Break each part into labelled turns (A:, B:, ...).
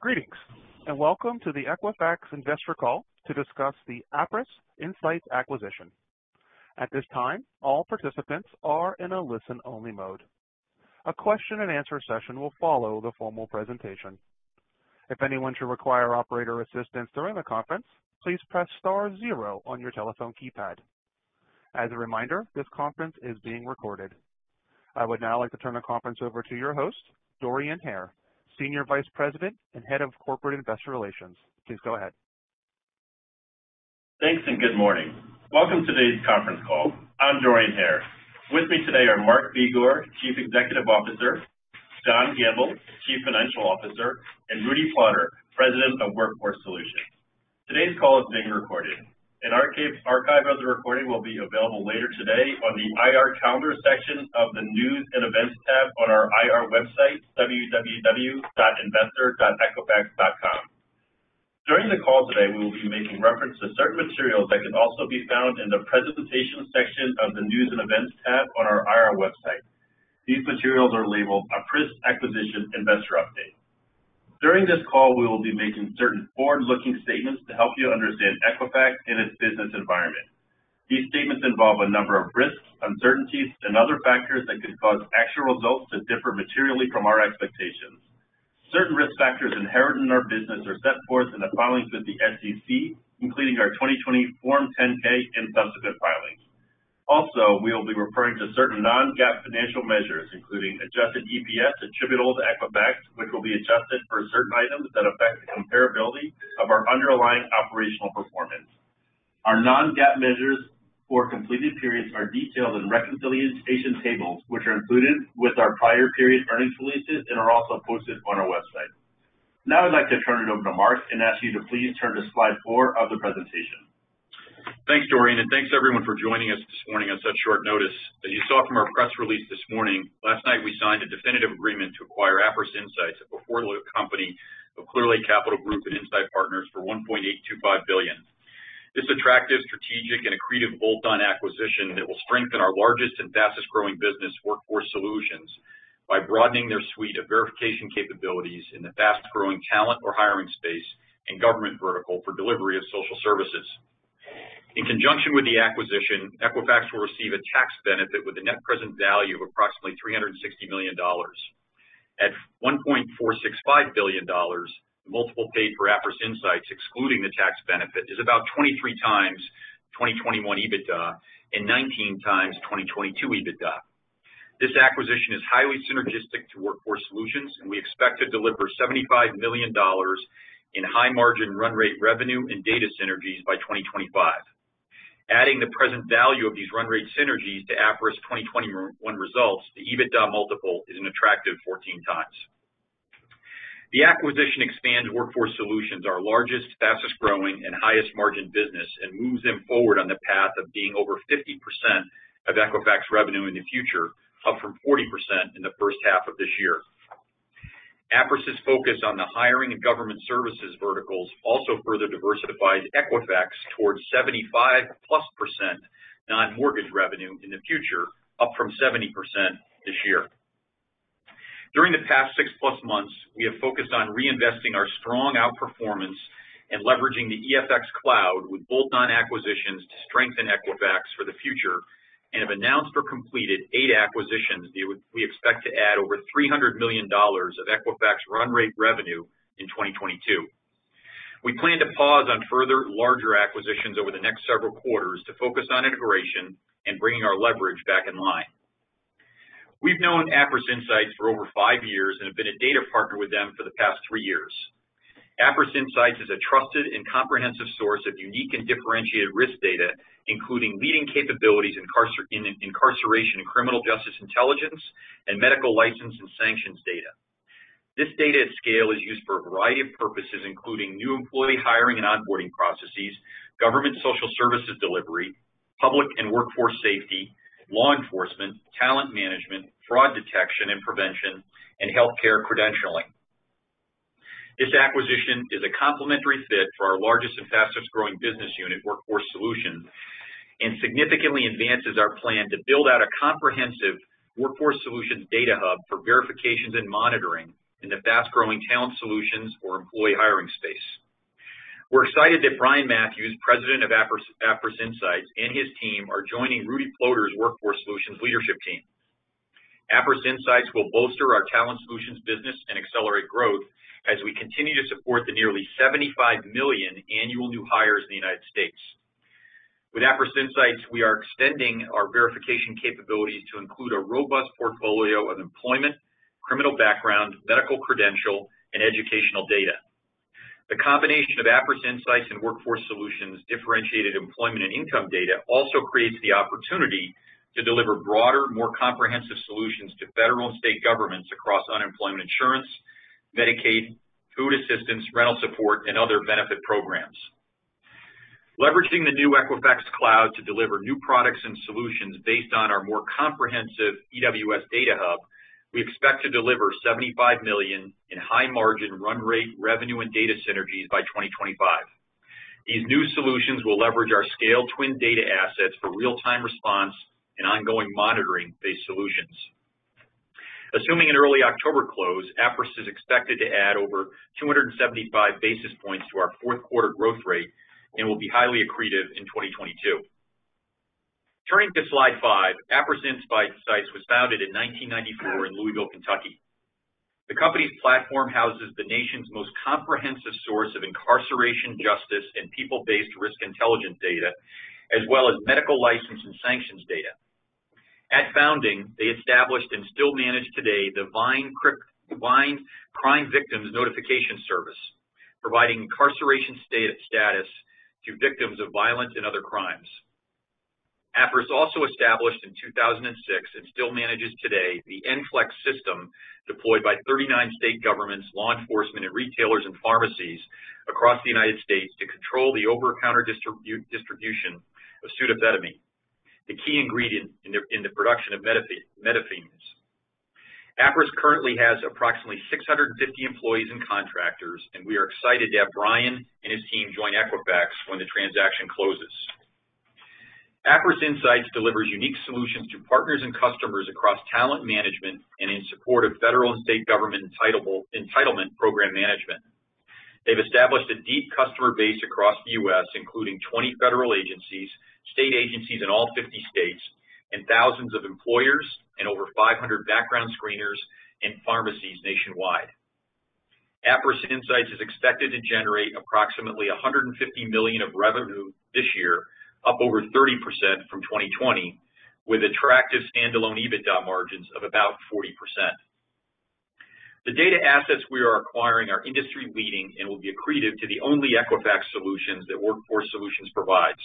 A: Greetings, and welcome to the Equifax investor call to discuss the Appriss Insights acquisition. I would now like to turn the conference over to your host, Dorian Hare, Senior Vice President and Head of Corporate Investor Relations. Please go ahead.
B: Thanks, good morning. Welcome today's conference call. I'm Dorian Hare. With me today are Mark Begor, Chief Executive Officer, John Gamble, Chief Financial Officer, and Rudy Ploder, President of Workforce Solutions. Today's call is being recorded. An archive of the recording will be available later today on the IR Calendar section of the News and Events tab on our IR website, www.investor.equifax.com. During the call today, we will be making reference to certain materials that can also be found in the Presentations section of the News and Events tab on our IR website. These materials are labeled Appriss Acquisition Investor Update. During this call, we will be making certain forward-looking statements to help you understand Equifax and its business environment. These statements involve a number of risks, uncertainties, and other factors that could cause actual results to differ materially from our expectations. Certain risk factors inherent in our business are set forth in the filings with the SEC, including our 2020 Form 10-K and subsequent filings. We will be referring to certain non-GAAP financial measures, including adjusted EPS attributable to Equifax, which will be adjusted for certain items that affect the comparability of our underlying operational performance. Our non-GAAP measures for completed periods are detailed in reconciliation tables, which are included with our prior period earnings releases and are also posted on our website. I'd like to turn it over to Mark and ask you to please turn to slide four of the presentation.
C: Thanks, Dorian, and thanks everyone for joining us this morning on such short notice. As you saw from our press release this morning, last night we signed a definitive agreement to acquire Appriss Insights, a portfolio company of Clearlake Capital Group and Insight Partners for $1.825 billion. This attractive, strategic, and accretive bolt-on acquisition that will strengthen our largest and fastest-growing business, Workforce Solutions, by broadening their suite of verification capabilities in the fast-growing talent or hiring space and government vertical for delivery of social services. In conjunction with the acquisition, Equifax will receive a tax benefit with a net present value of approximately $360 million. At $1.465 billion, the multiple paid for Appriss Insights, excluding the tax benefit, is about 23x 2021 EBITDA and 19x 2022 EBITDA. This acquisition is highly synergistic to Workforce Solutions, and we expect to deliver $75 million in high margin run rate revenue and data synergies by 2025. Adding the present value of these run rate synergies to Appriss 2021 results, the EBITDA multiple is an attractive 14x. The acquisition expands Workforce Solutions, our largest, fastest-growing, and highest margin business, and moves them forward on the path of being over 50% of Equifax revenue in the future, up from 40% in the first half of this year. Appriss' focus on the hiring and government services verticals also further diversifies Equifax towards 75+% non-mortgage revenue in the future, up from 70% this year. During the past six+ months, we have focused on reinvesting our strong outperformance and leveraging the EFX Cloud with bolt-on acquisitions to strengthen Equifax for the future and have announced or completed eight acquisitions that we expect to add over $300 million of Equifax run rate revenue in 2022. We plan to pause on further larger acquisitions over the next several quarters to focus on integration and bringing our leverage back in line. We've known Appriss Insights for over five years and have been a data partner with them for the past three years. Appriss Insights is a trusted and comprehensive source of unique and differentiated risk data, including leading capabilities in incarceration and criminal justice intelligence and medical license and sanctions data. This data at scale is used for a variety of purposes, including new employee hiring and onboarding processes, government social services delivery, public and workforce safety, law enforcement, talent management, fraud detection and prevention, and healthcare credentialing. This acquisition is a complementary fit for our largest and fastest-growing business unit, Workforce Solutions, and significantly advances our plan to build out a comprehensive Workforce Solutions data hub for verifications and monitoring in the fast-growing Talent Solutions or employee hiring space. We're excited that Brian Matthews, President of Appriss Insights, and his team are joining Rudy Ploder's Workforce Solutions leadership team. Appriss Insights will bolster our Talent Solutions business and accelerate growth as we continue to support the nearly 75 million annual new hires in the U.S. With Appriss Insights, we are extending our verification capabilities to include a robust portfolio of employment, criminal background, medical credential, and educational data. The combination of Appriss Insights and Workforce Solutions' differentiated employment and income data also creates the opportunity to deliver broader, more comprehensive solutions to federal and state governments across unemployment insurance, Medicaid, food assistance, rental support, and other benefit programs. Leveraging the new Equifax Cloud to deliver new products and solutions based on our more comprehensive EWS Data Hub, we expect to deliver $75 million in high margin run rate revenue and data synergies by 2025. These new solutions will leverage our scale TWN data assets for real-time response and ongoing monitoring-based solutions. Assuming an early October close, Appriss is expected to add over 275 basis points to our fourth quarter growth rate and will be highly accretive in 2022. Turning to slide five, Appriss Insights was founded in 1994 in Louisville, Kentucky. The company's platform houses the nation's most comprehensive source of incarceration, justice, and people-based risk intelligence data, as well as medical license and sanctions data. At founding, they established and still manage today the VINE Crime Victims Notification service, providing incarceration status to victims of violence and other crimes. Appriss also established in 2006 and still manages today the NPLEx system, deployed by 39 state governments, law enforcement, and retailers and pharmacies across the United States to control the over-the-counter distribution of pseudoephedrine, the key ingredient in the production of methamphetamines. Appriss currently has approximately 650 employees and contractors, and we are excited to have Brian and his team join Equifax when the transaction closes. Appriss Insights delivers unique solutions to partners and customers across talent management and in support of federal and state government entitlement program management. They've established a deep customer base across the U.S., including 20 federal agencies, state agencies in all 50 states, thousands of employers, and over 500 background screeners and pharmacies nationwide. Appriss Insights is expected to generate approximately $150 million of revenue this year, up over 30% from 2020, with attractive standalone EBITDA margins of about 40%. The data assets we are acquiring are industry-leading and will be accretive to the Equifax solutions that Workforce Solutions provides.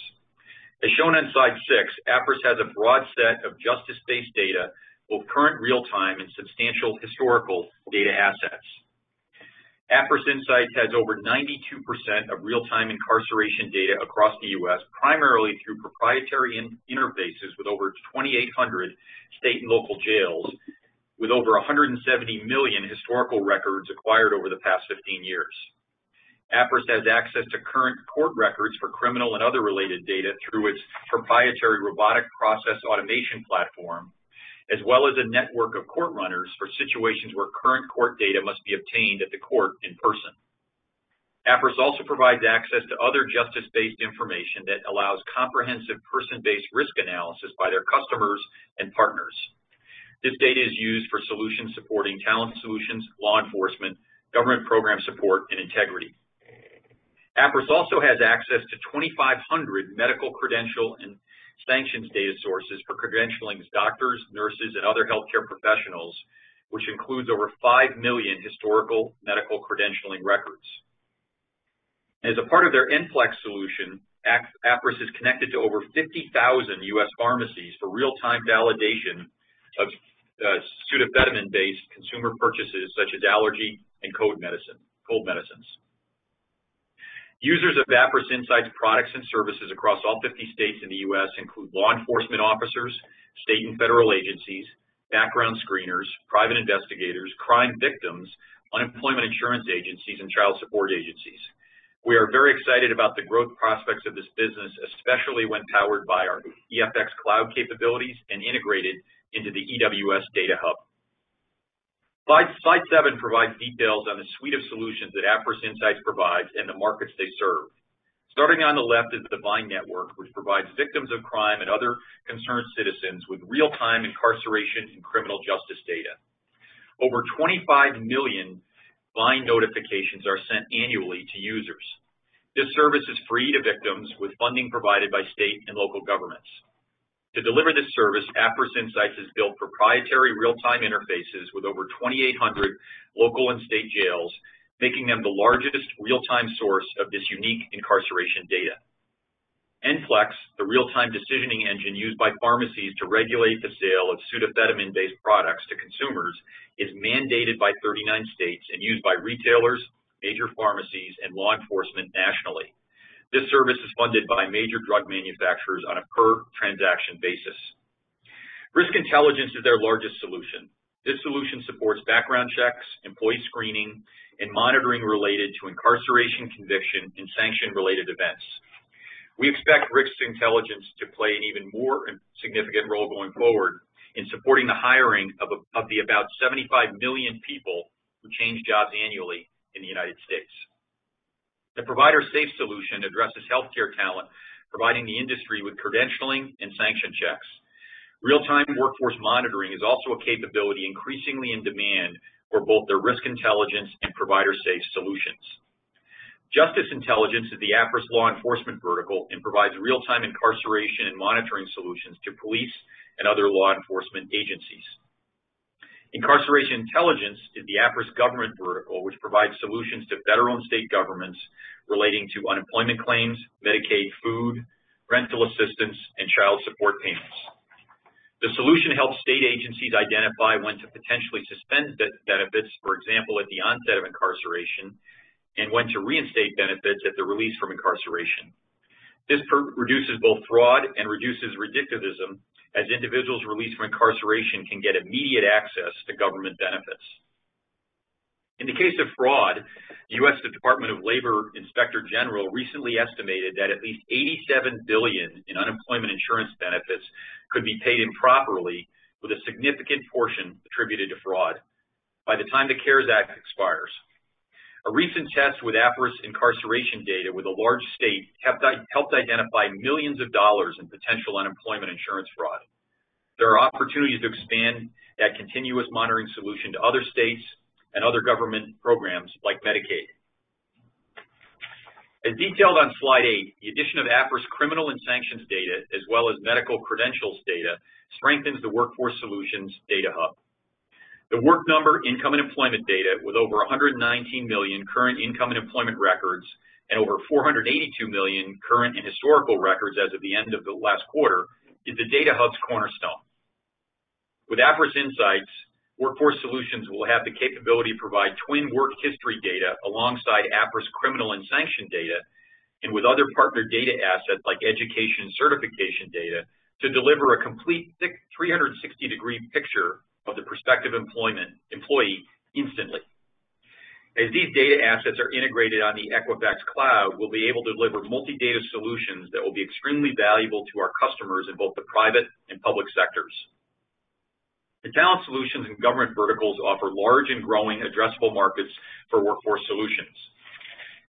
C: As shown on slide six, Appriss has a broad set of justice-based data, both current real-time and substantial historical data assets. Appriss Insights has over 92% of real-time incarceration data across the U.S., primarily through proprietary interfaces with over 2,800 state and local jails, with over 170 million historical records acquired over the past 15 years. Appriss has access to current court records for criminal and other related data through its proprietary robotic process automation platform, as well as a network of court runners for situations where current court data must be obtained at the court in person. Appriss also provides access to other justice-based information that allows comprehensive person-based risk analysis by their customers and partners. This data is used for solutions supporting Talent Solutions, law enforcement, government program support, and integrity. Appriss also has access to 2,500 medical credential and sanctions data sources for credentialing doctors, nurses, and other healthcare professionals, which includes over 5 million historical medical credentialing records. As a part of their NPLEx solution, Appriss is connected to over 50,000 U.S. pharmacies for real-time validation of pseudoephedrine-based consumer purchases such as allergy and cold medicines. Users of Appriss Insights products and services across all 50 states in the U.S. include law enforcement officers, state and federal agencies, background screeners, private investigators, crime victims, unemployment insurance agencies, and child support agencies. We are very excited about the growth prospects of this business, especially when powered by our EFX Cloud capabilities and integrated into the EWS Data Hub. Slide seven provides details on the suite of solutions that Appriss Insights provides and the markets they serve. Starting on the left is the VINE network, which provides victims of crime and other concerned citizens with real-time incarceration and criminal justice data. Over 25 million VINE notifications are sent annually to users. This service is free to victims with funding provided by state and local governments. To deliver this service, Appriss Insights has built proprietary real-time interfaces with over 2,800 local and state jails, making them the largest real-time source of this unique incarceration data. NPLEx, the real-time decisioning engine used by pharmacies to regulate the sale of pseudoephedrine-based products to consumers, is mandated by 39 states and used by retailers, major pharmacies, and law enforcement nationally. This service is funded by major drug manufacturers on a per-transaction basis. Risk Intelligence is their largest solution. This solution supports background checks, employee screening, and monitoring related to incarceration, conviction, and sanction-related events. We expect Risk Intelligence to play an even more significant role going forward in supporting the hiring of the about 75 million people who change jobs annually in the United States. The ProviderSafe solution addresses healthcare talent, providing the industry with credentialing and sanction checks. Real-time workforce monitoring is also a capability increasingly in demand for both their Risk Intelligence and ProviderSafe solutions. Justice Intelligence is the Appriss law enforcement vertical and provides real-time incarceration and monitoring solutions to police and other law enforcement agencies. Incarceration Intelligence is the Appriss government vertical, which provides solutions to federal and state governments relating to unemployment claims, Medicaid, food, rental assistance, and child support payments. This solution helps state agencies identify when to potentially suspend benefits, for example, at the onset of incarceration, and when to reinstate benefits at the release from incarceration. This reduces both fraud and reduces recidivism, as individuals released from incarceration can get immediate access to government benefits. In the case of fraud, the U.S. Department of Labor Inspector General recently estimated that at least $87 billion in unemployment insurance benefits could be paid improperly, with a significant portion attributed to fraud by the time the CARES Act expires. A recent test with Appriss incarceration data with a large state helped identify millions of dollars in potential unemployment insurance fraud. There are opportunities to expand that continuous monitoring solution to other states and other government programs like Medicaid. As detailed on slide eight, the addition of Appriss criminal and sanctions data as well as medical credentials data strengthens the Workforce Solutions data hub. The Work Number income and employment data with over $119 million current income and employment records and over $482 million current and historical records as of the end of the last quarter is the data hub's cornerstone. With Appriss Insights, Workforce Solutions will have the capability to provide TWN work history data alongside Appriss criminal and sanction data and with other partner data assets like education certification data to deliver a complete 360-degree picture of the prospective employee instantly. As these data assets are integrated on the Equifax Cloud, we'll be able to deliver multi-data solutions that will be extremely valuable to our customers in both the private and public sectors. The Talent Solutions and government verticals offer large and growing addressable markets for Workforce Solutions.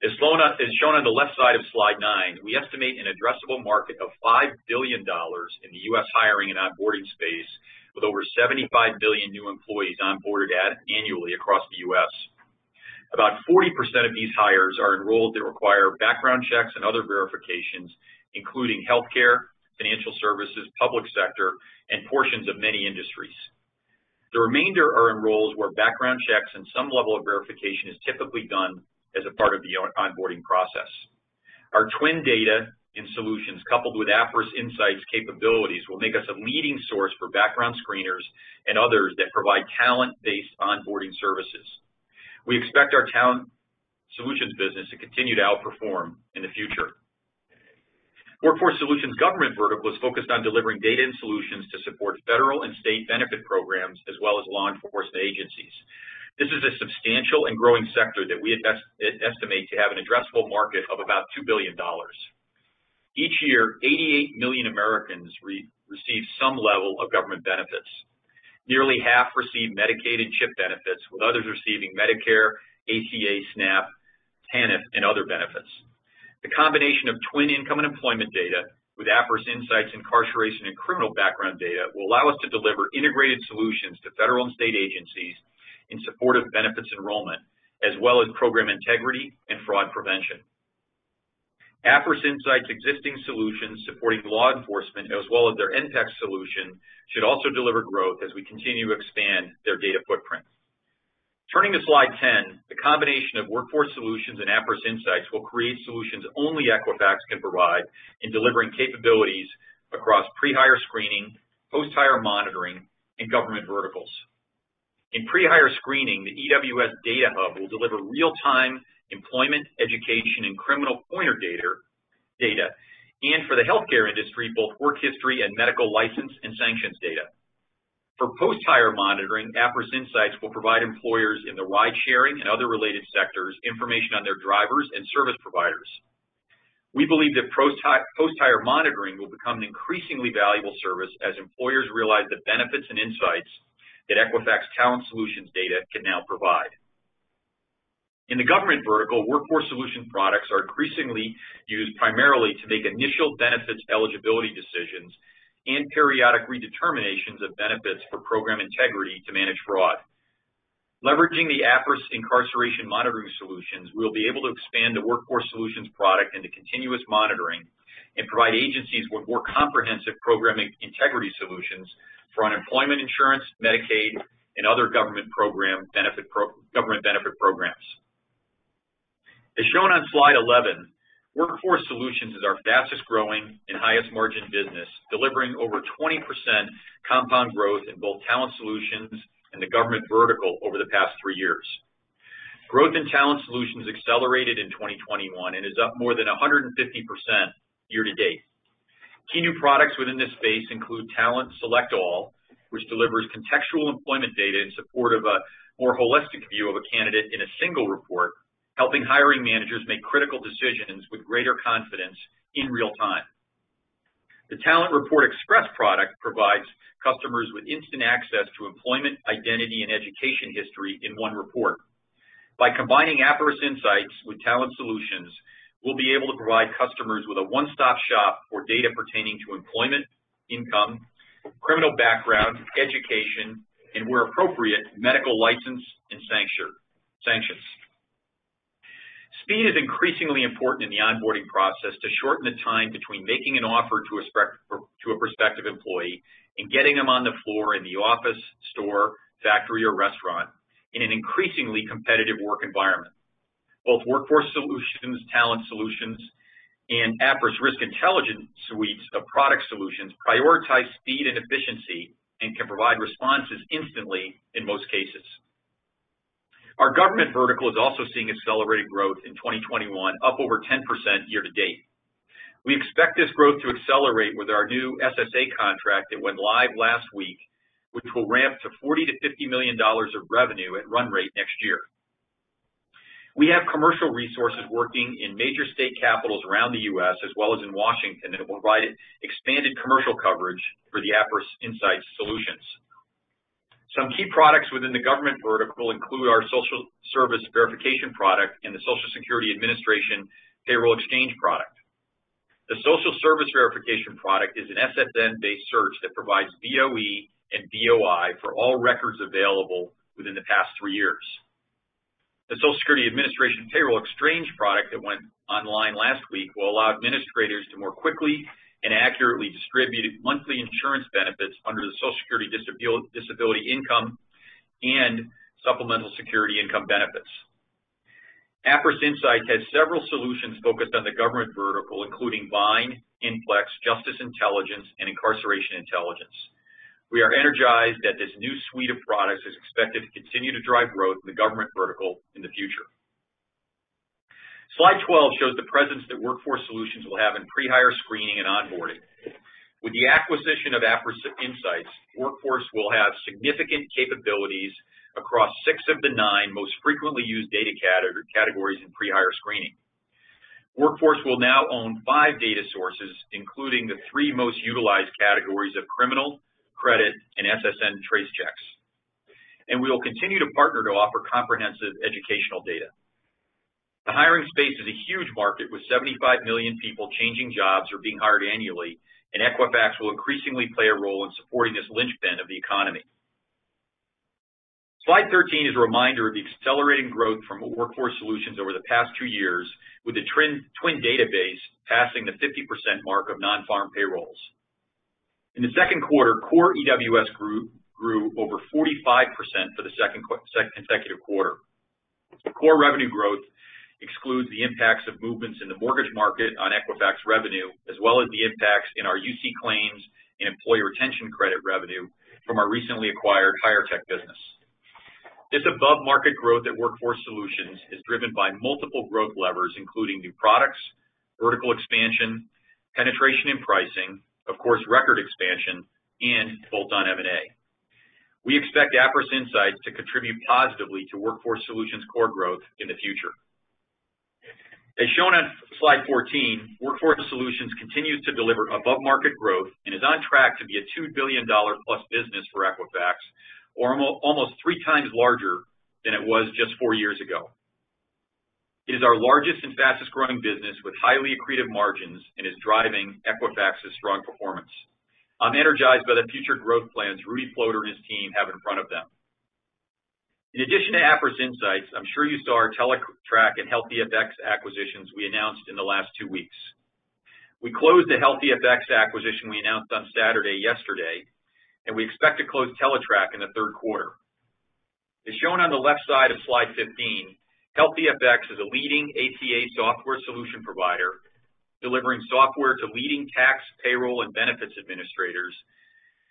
C: As shown on the left side of slide nine, we estimate an addressable market of $5 billion in the U.S. hiring and onboarding space with over 75 billion new employees onboarded annually across the U.S. About 40% of these hires are in roles that require background checks and other verifications, including healthcare, financial services, public sector, and portions of many industries. The remainder are in roles where background checks and some level of verification is typically done as a part of the onboarding process. Our TWN data and solutions, coupled with Appriss Insights capabilities, will make us a leading source for background screeners and others that provide talent-based onboarding services. We expect our Talent Solutions business to continue to outperform in the future. Workforce Solutions government vertical is focused on delivering data and solutions to support federal and state benefit programs as well as law enforcement agencies. This is a substantial and growing sector that we estimate to have an addressable market of about $2 billion. Each year, 88 million Americans receive some level of government benefits. Nearly half receive Medicaid and CHIP benefits, with others receiving Medicare, ACA, SNAP, TANF, and other benefits. The combination of TWN income and employment data with Appriss Insights incarceration and criminal background data will allow us to deliver integrated solutions to federal and state agencies in support of benefits enrollment, as well as program integrity and fraud prevention. Appriss Insights' existing solutions supporting law enforcement, as well as their NCIS solution, should also deliver growth as we continue to expand their data footprint. Turning to slide 10, the combination of Workforce Solutions and Appriss Insights will create solutions only Equifax can provide in delivering capabilities across pre-hire screening, post-hire monitoring, and government verticals. In pre-hire screening, the EWS Data Hub will deliver real-time employment, education, and criminal pointer data. For the healthcare industry, both work history and medical license and sanctions data. For post-hire monitoring, Appriss Insights will provide employers in the ride-sharing and other related sectors information on their drivers and service providers. We believe that post-hire monitoring will become an increasingly valuable service as employers realize the benefits and insights that Equifax Talent Solutions data can now provide. In the government vertical, Workforce Solutions products are increasingly used primarily to make initial benefits eligibility decisions and periodic redeterminations of benefits for program integrity to manage fraud. Leveraging the Appriss incarceration monitoring solutions, we'll be able to expand the Workforce Solutions product into continuous monitoring and provide agencies with more comprehensive programming integrity solutions for unemployment insurance, Medicaid, and other government benefit programs. As shown on slide 11, Workforce Solutions is our fastest-growing and highest-margin business, delivering over 20% compound growth in both Talent Solutions and the government vertical over the past three years. Growth in Talent Solutions accelerated in 2021 and is up more than 150% year to date. Key new products within this space include Talent Select All, which delivers contextual employment data in support of a more holistic view of a candidate in a single report, helping hiring managers make critical decisions with greater confidence in real time. The Talent Report Express product provides customers with instant access to employment, identity, and education history in one report. By combining Appriss Insights with Talent Solutions, we will be able to provide customers with a one-stop shop for data pertaining to employment, income, criminal background, education, and where appropriate, medical license and sanctions. Speed is increasingly important in the onboarding process to shorten the time between making an offer to a prospective employee and getting them on the floor in the office, store, factory, or restaurant in an increasingly competitive work environment. Both Workforce Solutions, Talent Solutions, and Appriss Risk Intelligence suites of product solutions prioritize speed and efficiency and can provide responses instantly in most cases. Our government vertical is also seeing accelerated growth in 2021, up over 10% year to date. We expect this growth to accelerate with our new SSA contract that went live last week, which will ramp to $40 million to $50 million of revenue at run rate next year. We have commercial resources working in major state capitals around the U.S. as well as in Washington that will provide expanded commercial coverage for the Appriss Insights solutions. Some key products within the government vertical include our social service verification product and the Social Security Administration payroll exchange product. The social service verification product is an SSN-based search that provides DOE and DOI for all records available within the past three years. The Social Security Administration payroll exchange product that went online last week will allow administrators to more quickly and accurately distribute monthly insurance benefits under the Social Security Disability Insurance and Supplemental Security Income benefits. Appriss Insights has several solutions focused on the government vertical, including VINE, NPLEx, Justice Intelligence, and Incarceration Intelligence. We are energized that this new suite of products is expected to continue to drive growth in the government vertical in the future. Slide 12 shows the presence that Workforce Solutions will have in pre-hire screening and onboarding. With the acquisition of Appriss Insights, Workforce will have significant capabilities across six of the nine most frequently used data categories in pre-hire screening. Workforce will now own five data sources, including the three most utilized categories of criminal, credit, and SSN trace checks. We will continue to partner to offer comprehensive educational data. The hiring space is a huge market with 75 million people changing jobs or being hired annually, and Equifax will increasingly play a role in supporting this linchpin of the economy. Slide 13 is a reminder of the accelerating growth from Workforce Solutions over the past two years, with the TWN database passing the 50% mark of non-farm payrolls. In the second quarter, core EWS grew over 45% for the second consecutive quarter. Core revenue growth excludes the impacts of movements in the mortgage market on Equifax revenue, as well as the impacts in our UC claims and employee retention credit revenue from our recently acquired HIREtech business. This above-market growth at Workforce Solutions is driven by multiple growth levers, including new products, vertical expansion, penetration in pricing, of course, record expansion, and bolt-on M&A. We expect Appriss Insights to contribute positively to Workforce Solutions core growth in the future. As shown on slide 14, Workforce Solutions continues to deliver above-market growth and is on track to be a $2 billion plus business for Equifax, or almost three times larger than it was just four years ago. It is our largest and fastest-growing business with highly accretive margins and is driving Equifax's strong performance. I'm energized by the future growth plans Rudy Ploder and his team have in front of them. In addition to Appriss Insights, I'm sure you saw our Teletrack and Health e(fx) acquisitions we announced in the last two weeks. We closed the Health e(fx) acquisition we announced on Saturday yesterday. We expect to close Teletrack in the third quarter. As shown on the left side of slide 15, Health e(fx) is a leading ACA software solution provider, delivering software to leading tax, payroll, and benefits administrators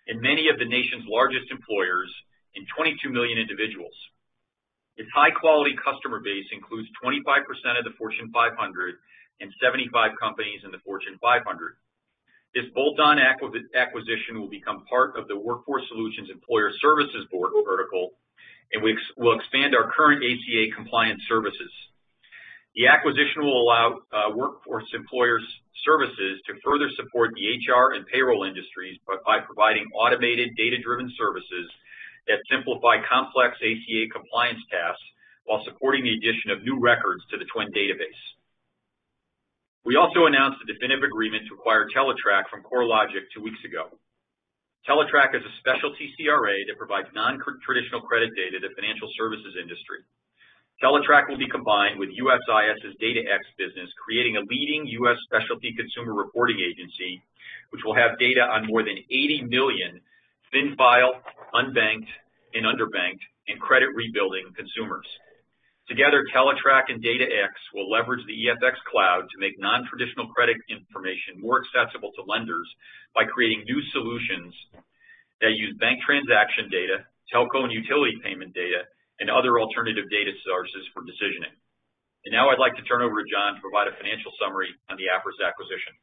C: and many of the nation's largest employers and 22 million individuals. Its high-quality customer base includes 25% of the Fortune 500 and 75 companies in the Fortune 500. This bolt-on acquisition will become part of the Workforce Solutions employer services vertical. We will expand our current ACA compliance services. The acquisition will allow Workforce Solutions' employer services to further support the HR and payroll industries by providing automated data-driven services that simplify complex ACA compliance tasks while supporting the addition of new records to the TWN database. We also announced a definitive agreement to acquire Teletrack from CoreLogic two weeks ago. Teletrack is a specialty CRA that provides non-traditional credit data to the financial services industry. Teletrack will be combined with USIS's DataX business, creating a leading U.S. specialty consumer reporting agency, which will have data on more than 80 million thin-file, unbanked and underbanked, and credit-rebuilding consumers. Together, Teletrack and DataX will leverage the EFX Cloud to make non-traditional credit information more accessible to lenders by creating new solutions that use bank transaction data, telco and utility payment data, and other alternative data sources for decisioning. Now I'd like to turn over to John to provide a financial summary on the Appriss acquisition.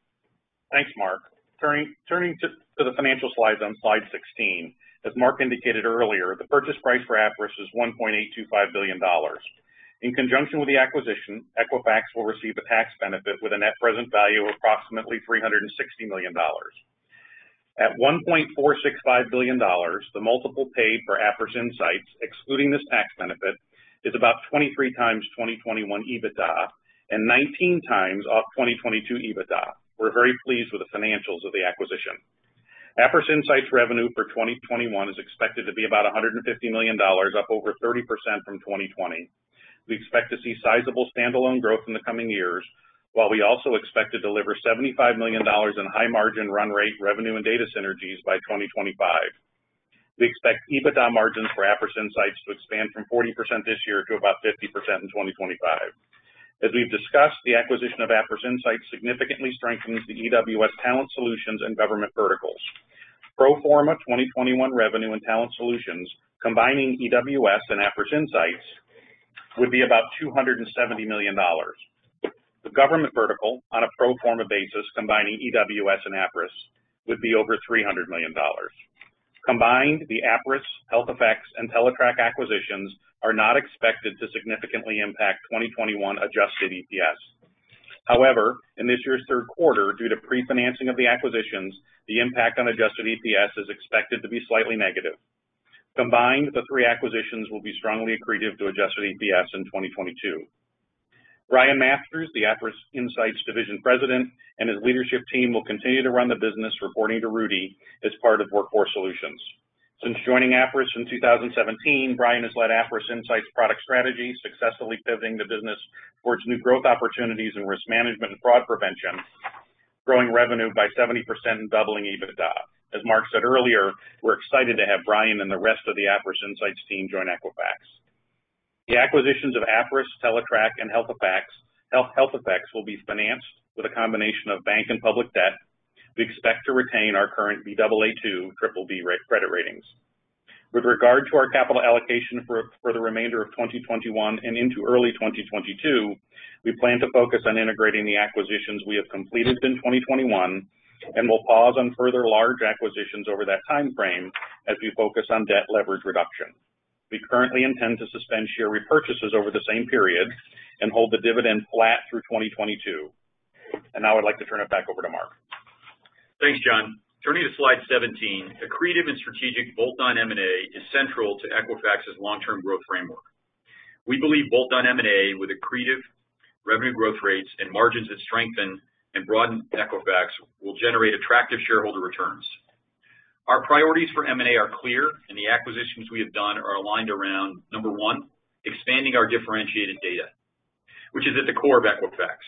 D: Thanks, Mark. Turning to the financial slides on slide 16. As Mark indicated earlier, the purchase price for Appriss was $1.825 billion. In conjunction with the acquisition, Equifax will receive a tax benefit with a net present value of approximately $360 million. At $1.465 billion, the multiple paid for Appriss Insights, excluding this tax benefit, is about 23x 2021 EBITDA and 19x off 2022 EBITDA. We're very pleased with the financials of the acquisition. Appriss Insights revenue for 2021 is expected to be about $150 million, up over 30% from 2020. We expect to see sizable standalone growth in the coming years, while we also expect to deliver $75 million in high-margin run rate revenue and data synergies by 2025. We expect EBITDA margins for Appriss Insights to expand from 40% this year to about 50% in 2025. As we've discussed, the acquisition of Appriss Insights significantly strengthens the EWS Talent Solutions and government verticals. Pro forma 2021 revenue and Talent Solutions combining EWS and Appriss Insights would be about $270 million. The government vertical on a pro forma basis, combining EWS and Appriss, would be over $300 million. Combined, the Appriss, Health e(fx), and Teletrack acquisitions are not expected to significantly impact 2021 adjusted EPS. In this year's third quarter, due to pre-financing of the acquisitions, the impact on adjusted EPS is expected to be slightly negative. Combined, the three acquisitions will be strongly accretive to adjusted EPS in 2022. Brian Matthews, the Appriss Insights division president, and his leadership team will continue to run the business reporting to Rudy as part of Workforce Solutions. Since joining Appriss in 2017, Brian has led Appriss Insights' product strategy, successfully pivoting the business towards new growth opportunities in risk management and fraud prevention, growing revenue by 70% and doubling EBITDA. As Mark said earlier, we're excited to have Brian and the rest of the Appriss Insights team join Equifax. The acquisitions of Appriss, Teletrack, and Health e(fx) will be financed with a combination of bank and public debt. We expect to retain our current Baa2, BBB credit ratings. With regard to our capital allocation for the remainder of 2021 and into early 2022, we plan to focus on integrating the acquisitions we have completed in 2021, and will pause on further large acquisitions over that timeframe as we focus on debt leverage reduction. We currently intend to suspend share repurchases over the same period and hold the dividend flat through 2022. Now I'd like to turn it back over to Mark.
C: Thanks, John. Turning to slide 17, accretive and strategic bolt-on M&A is central to Equifax's long-term growth framework. We believe bolt-on M&A with accretive revenue growth rates and margins that strengthen and broaden Equifax will generate attractive shareholder returns. Our priorities for M&A are clear. The acquisitions we have done are aligned around, number one, expanding our differentiated data, which is at the core of Equifax.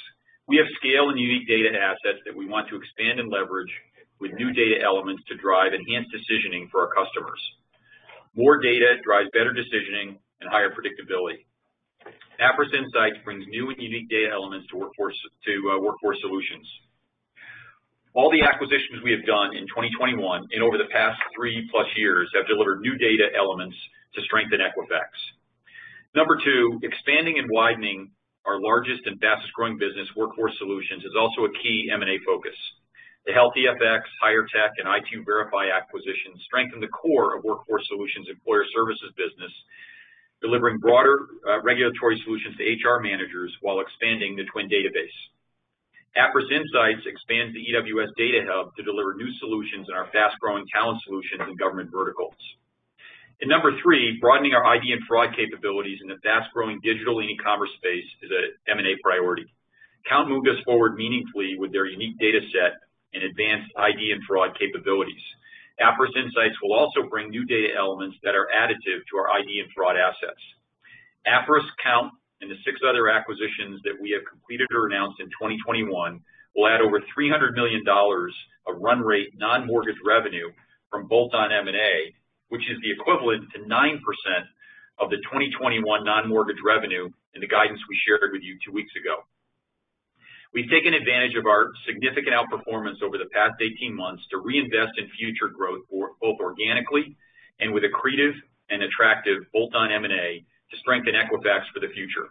C: We have scale and unique data assets that we want to expand and leverage with new data elements to drive enhanced decisioning for our customers. More data drives better decisioning and higher predictability. Appriss Insights brings new and unique data elements to Workforce Solutions. All the acquisitions we have done in 2021 and over the past 3+ years have delivered new data elements to strengthen Equifax. Number two, expanding and widening our largest and fastest-growing business, Workforce Solutions, is also a key M&A focus. The Health e(fx), HIREtech, and i2Verify acquisitions strengthen the core of Workforce Solutions' employer services business, delivering broader regulatory solutions to HR managers while expanding The Work Number database. Appriss Insights expands the EWS Data Hub to deliver new solutions in our fast-growing Talent Solutions and Government verticals. Number three, broadening our ID and fraud capabilities in the fast-growing digital and e-commerce space is an M&A priority. Kount moved us forward meaningfully with their unique data set and advanced ID and fraud capabilities. Appriss Insights will also bring new data elements that are additive to our ID and fraud assets. Appriss, Kount, and the six other acquisitions that we have completed or announced in 2021 will add over $300 million of run rate non-mortgage revenue from bolt-on M&A, which is the equivalent to 9% of the 2021 non-mortgage revenue in the guidance we shared with you two weeks ago. We've taken advantage of our significant outperformance over the past 18 months to reinvest in future growth, both organically and with accretive and attractive bolt-on M&A to strengthen Equifax for the future.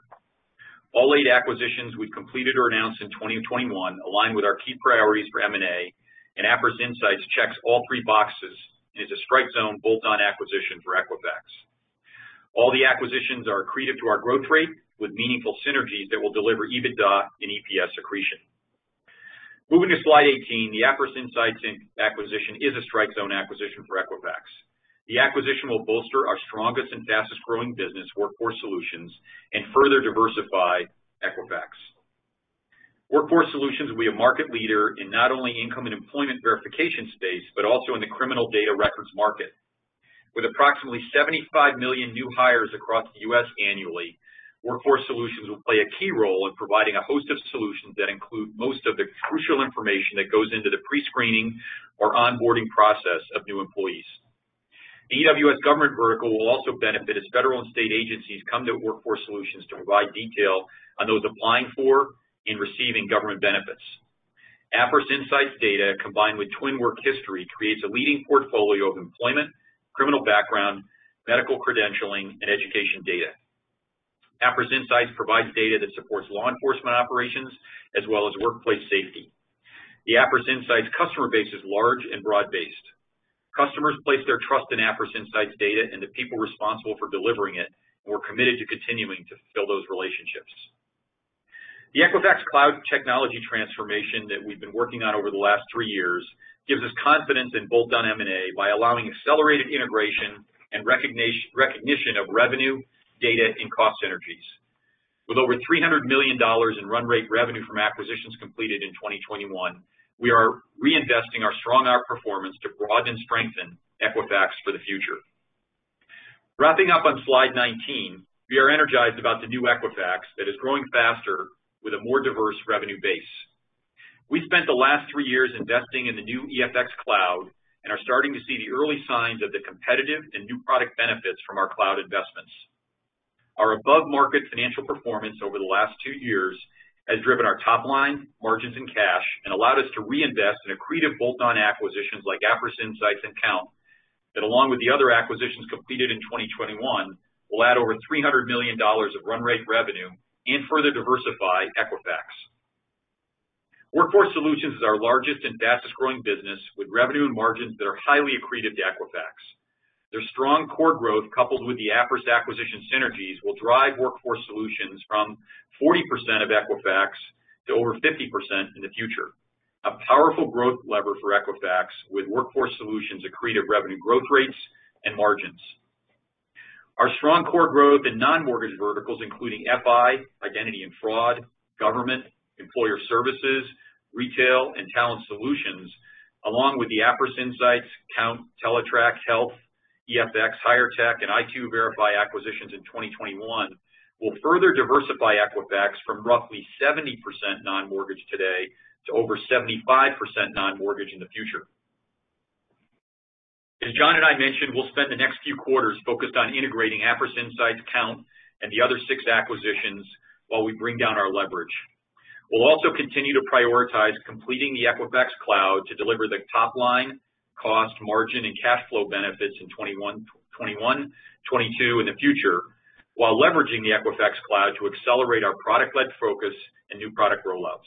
C: All eight acquisitions we've completed or announced in 2021 align with our key priorities for M&A, and Appriss Insights checks all three boxes and is a strike zone bolt-on acquisition for Equifax. All the acquisitions are accretive to our growth rate with meaningful synergies that will deliver EBITDA and EPS accretion. Moving to slide 18, the Appriss Insights acquisition is a strike zone acquisition for Equifax. The acquisition will bolster our strongest and fastest-growing business, Workforce Solutions, and further diversify Equifax. Workforce Solutions will be a market leader in not only income and employment verification space, but also in the criminal data records market. With approximately 75 million new hires across the U.S. annually, Workforce Solutions will play a key role in providing a host of solutions that include most of the crucial information that goes into the pre-screening or onboarding process of new employees. The EWS government vertical will also benefit as federal and state agencies come to Workforce Solutions to provide detail on those applying for and receiving government benefits. Appriss Insights data, combined with The Work Number, creates a leading portfolio of employment, criminal background, medical credentialing, and education data. Appriss Insights provides data that supports law enforcement operations as well as workplace safety. The Appriss Insights customer base is large and broad-based. Customers place their trust in Appriss Insights data and the people responsible for delivering it, and we're committed to continuing to fulfill those relationships. The Equifax Cloud technology transformation that we've been working on over the last three years gives us confidence in bolt-on M&A by allowing accelerated integration and recognition of revenue, data, and cost synergies. With over $300 million in run rate revenue from acquisitions completed in 2021, we are reinvesting our strong outperformance to broaden and strengthen Equifax for the future. Wrapping up on slide 19, we are energized about the new Equifax that is growing faster with a more diverse revenue base. We spent the last three years investing in the new EFX Cloud and are starting to see the early signs of the competitive and new product benefits from our cloud investments. Our above-market financial performance over the last two years has driven our top line, margins, and cash, and allowed us to reinvest in accretive bolt-on acquisitions like Appriss Insights and Kount. That along with the other acquisitions completed in 2021, will add over $300 million of run rate revenue and further diversify Equifax. Workforce Solutions is our largest and fastest growing business, with revenue and margins that are highly accretive to Equifax. Their strong core growth, coupled with the Appriss acquisition synergies, will drive Workforce Solutions from 40% of Equifax to over 50% in the future. A powerful growth lever for Equifax, with Workforce Solutions accretive revenue growth rates and margins. Our strong core growth in non-mortgage verticals, including FI, Identity and Fraud, Government, Employer Services, Retail, and Talent Solutions, along with the Appriss Insights, Kount, Teletrack, Health e(fx), HIREtech, and i2Verify acquisitions in 2021, will further diversify Equifax from roughly 70% non-mortgage today to over 75% non-mortgage in the future. As John and I mentioned, we'll spend the next few quarters focused on integrating Appriss Insights, Kount, and the other six acquisitions while we bring down our leverage. We'll also continue to prioritize completing the Equifax Cloud to deliver the top line, cost, margin, and cash flow benefits in 2021, 2022, in the future, while leveraging the Equifax Cloud to accelerate our product-led focus and new product roll-outs.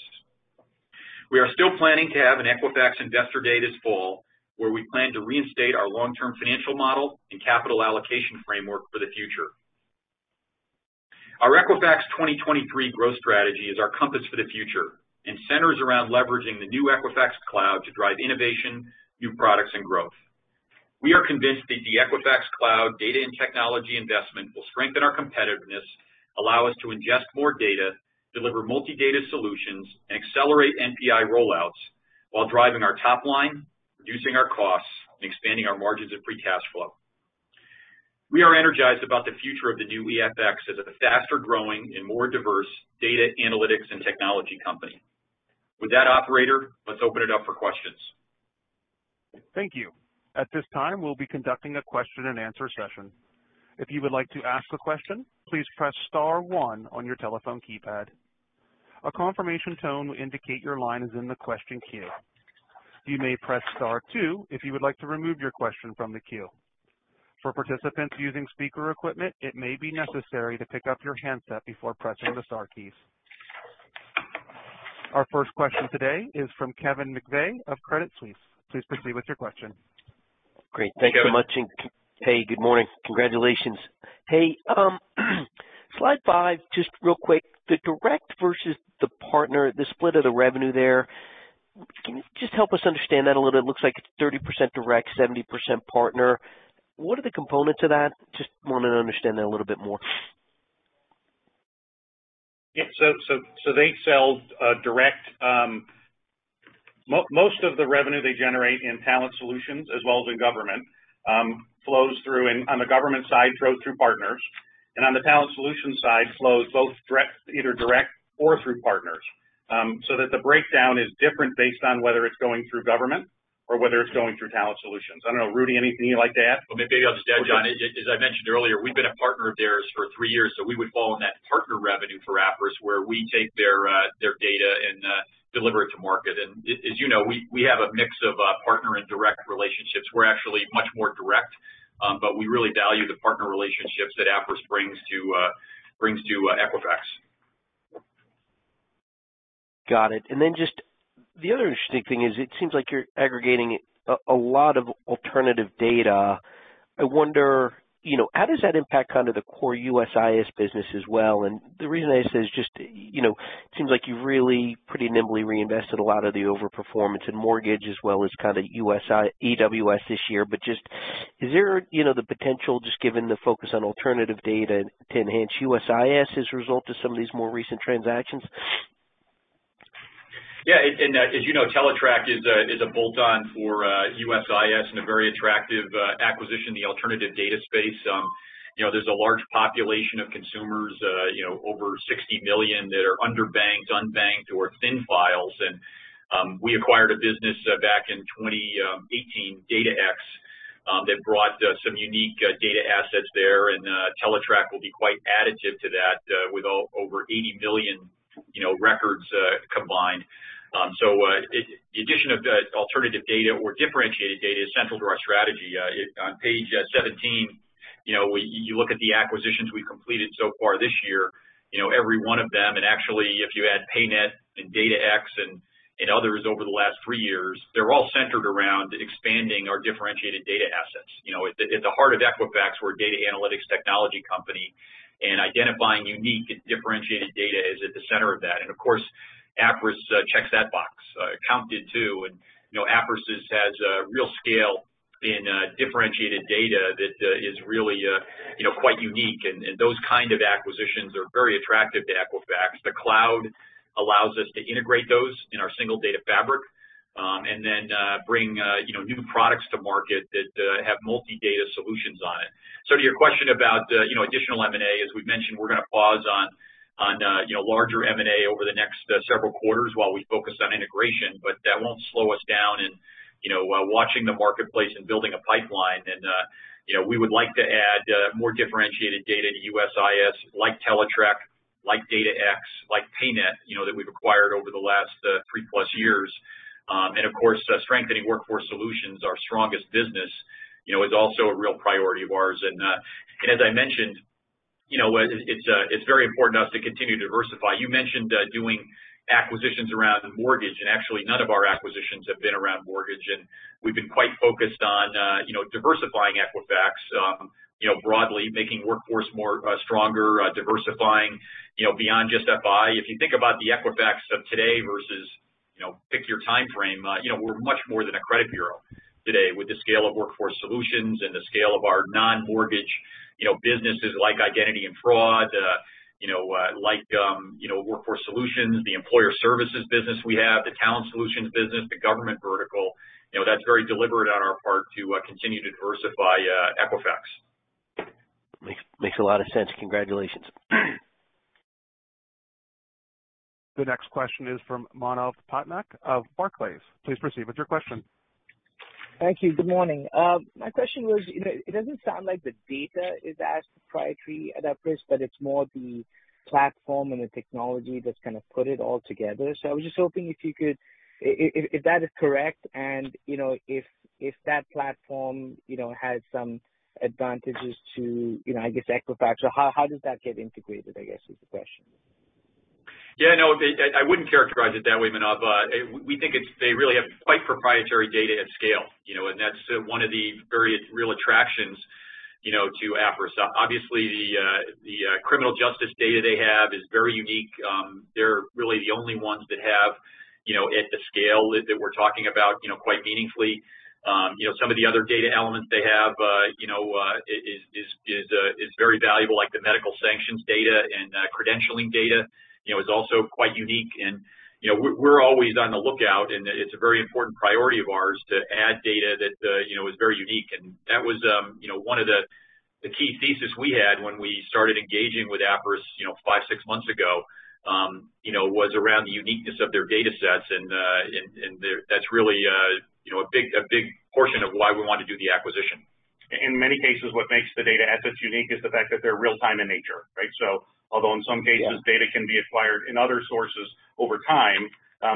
C: We are still planning to have an Equifax Investor Day this fall, where we plan to reinstate our long-term financial model and capital allocation framework for the future. Our Equifax 2023 growth strategy is our compass for the future and centers around leveraging the new Equifax Cloud to drive innovation, new products, and growth. We are convinced that the Equifax Cloud data and technology investment will strengthen our competitiveness, allow us to ingest more data, deliver multi-data solutions, and accelerate NPI roll-outs while driving our top line, reducing our costs, and expanding our margins of free cash flow. We are energized about the future of the new EFX as a faster-growing and more diverse data analytics and technology company. With that, operator, let's open it up for questions.
A: Thank you. At this time, we'll be conducting a question-and-answer session. If you would like to ask a question, please press star one on your telephone keypad. A confirmation tone will indicate your line is in the question queue. You may press star two if you would like to remove your question from the queue. For participants using speaker equipment, it may be necessary to pick up your handset before pressing the star keys. Our first question today is from Kevin McVeigh of Credit Suisse. Please proceed with your question.
E: Great. Thank you so much.
C: Kevin.
E: Hey, good morning. Congratulations. Hey, slide 5, just real quick, the direct versus the partner, the split of the revenue there, can you just help us understand that a little? It looks like it's 30% direct, 70% partner. What are the components of that? Just wanting to understand that a little bit more.
C: Yeah. They sell direct, most of the revenue they generate in Talent Solutions as well as in Government flows through, and on the Government side, flows through partners, and on the Talent Solutions side, flows both either direct or through partners. I don't know, Rudy, anything you'd like to add? Well, maybe I'll just add, John, as I mentioned earlier, we've been a partner of theirs for three years, so we would fall in that partner revenue for Appriss, where we take their data and deliver it to market. As you know, we have a mix of partner and direct relationships. We're actually much more direct, but we really value the partner relationships that Appriss brings to Equifax.
E: Got it. Just the other interesting thing is it seems like you're aggregating a lot of alternative data. I wonder, how does that impact kind of the core USIS business as well? The reason I say is just, it seems like you've really pretty nimbly reinvested a lot of the overperformance in mortgage as well as kind of EWS this year. Just is there the potential, just given the focus on alternative data, to enhance USIS as a result of some of these more recent transactions?
C: As you know, Teletrack is a bolt-on for USIS and a very attractive acquisition in the alternative data space. There's a large population of consumers, over 60 million, that are underbanked, unbanked, or thin files. We acquired a business back in 2018, DataX, that brought some unique data assets there, and Teletrack will be quite additive to that, with over 80 million records combined. The addition of the alternative data or differentiated data is central to our strategy. On page 17, you look at the acquisitions we completed so far this year, every one of them, actually if you add DataX and others over the last three years, they're all centered around expanding our differentiated data assets. At the heart of Equifax, we're a data analytics technology company, and identifying unique and differentiated data is at the center of that. Of course, Appriss checks that box. Kount did too. Appriss has real scale in differentiated data that is really quite unique, and those kind of acquisitions are very attractive to Equifax. The cloud allows us to integrate those in our single data fabric, and then bring new products to market that have multi-data solutions on it. To your question about additional M&A, as we've mentioned, we're going to pause on larger M&A over the next several quarters while we focus on integration. That won't slow us down in watching the marketplace and building a pipeline. We would like to add more differentiated data to USIS, like Teletrack, like DataX, like PayNet, that we've acquired over the last 3+ years. Of course, strengthening Workforce Solutions, our strongest business, is also a real priority of ours. As I mentioned, it's very important to us to continue to diversify. You mentioned doing acquisitions around the mortgage, and actually none of our acquisitions have been around mortgage. We've been quite focused on diversifying Equifax broadly, making Workforce stronger, diversifying beyond just FI. If you think about the Equifax of today versus pick your timeframe, we're much more than a credit bureau today with the scale of Workforce Solutions and the scale of our non-mortgage businesses like identity and fraud, like Workforce Solutions, the employer services business we have, the Talent Solutions business, the government vertical. That's very deliberate on our part to continue to diversify Equifax.
E: Makes a lot of sense. Congratulations.
A: The next question is from Manav Patnaik of Barclays. Please proceed with your question.
F: Thank you. Good morning. My question was, it doesn't sound like the data is as proprietary at Appriss, but it's more the platform and the technology that's going to put it all together. I was just hoping If that is correct and if that platform has some advantages to Equifax, or how does that get integrated, I guess, is the question.
C: Yeah, no, I wouldn't characterize it that way, Manav. We think they really have quite proprietary data at scale, and that's one of the very real attractions to Appriss. Obviously, the criminal justice data they have is very unique. They're really the only ones that have at the scale that we're talking about, quite meaningfully. Some of the other data elements they have is very valuable, like the medical sanctions data and credentialing data is also quite unique. We're always on the lookout, and it's a very important priority of ours to add data that is very unique. That was one of the key thesis we had when we started engaging with Appriss five, six months ago, was around the uniqueness of their data sets, and that's really a big portion of why we want to do the acquisition.
D: In many cases, what makes the data assets unique is the fact that they're real-time in nature, right?
C: Yeah
D: data can be acquired in other sources over time,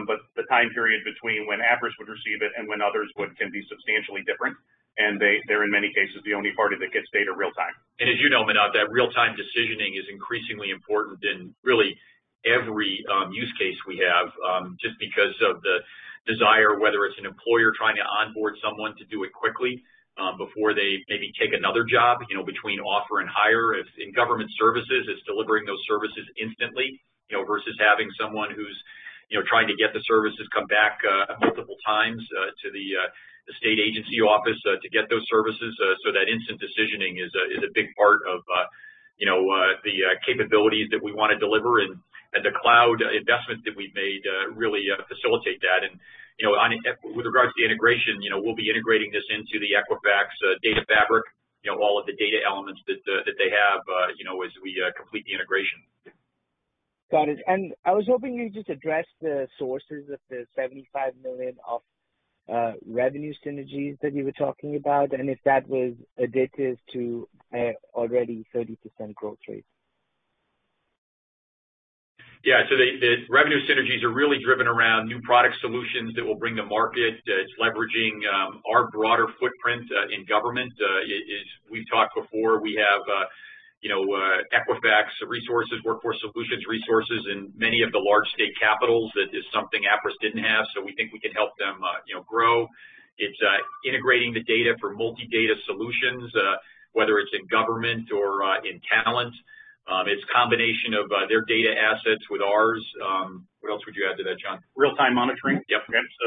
D: but the time period between when Appriss would receive it and when others would can be substantially different. They're, in many cases, the only party that gets data real time.
C: As you know, Manav, that real-time decisioning is increasingly important in really every use case we have, just because of the desire, whether it's an employer trying to onboard someone to do it quickly before they maybe take another job between offer and hire. In government services, it's delivering those services instantly, versus having someone who's trying to get the services come back multiple times to the state agency office to get those services. That instant decisioning is a big part of the capabilities that we want to deliver, and the Equifax Cloud investment that we've made really facilitate that. With regards to the integration, we'll be integrating this into the Equifax data fabric, all of the data elements that they have as we complete the integration.
F: Got it. I was hoping you'd just address the sources of the $75 million of revenue synergies that you were talking about, and if that was additive to an already 30% growth rate?
C: Yeah. The revenue synergies are really driven around new product solutions that we'll bring to market. It's leveraging our broader footprint in government. As we've talked before, we have Equifax resources, Workforce Solutions resources in many of the large state capitals. That is something Appriss didn't have, so we think we can help them grow. It's integrating the data for multi-data solutions, whether it's in government or in talent. It's combination of their data assets with ours. What else would you add to that, John?
D: Real-time monitoring.
G: Yep.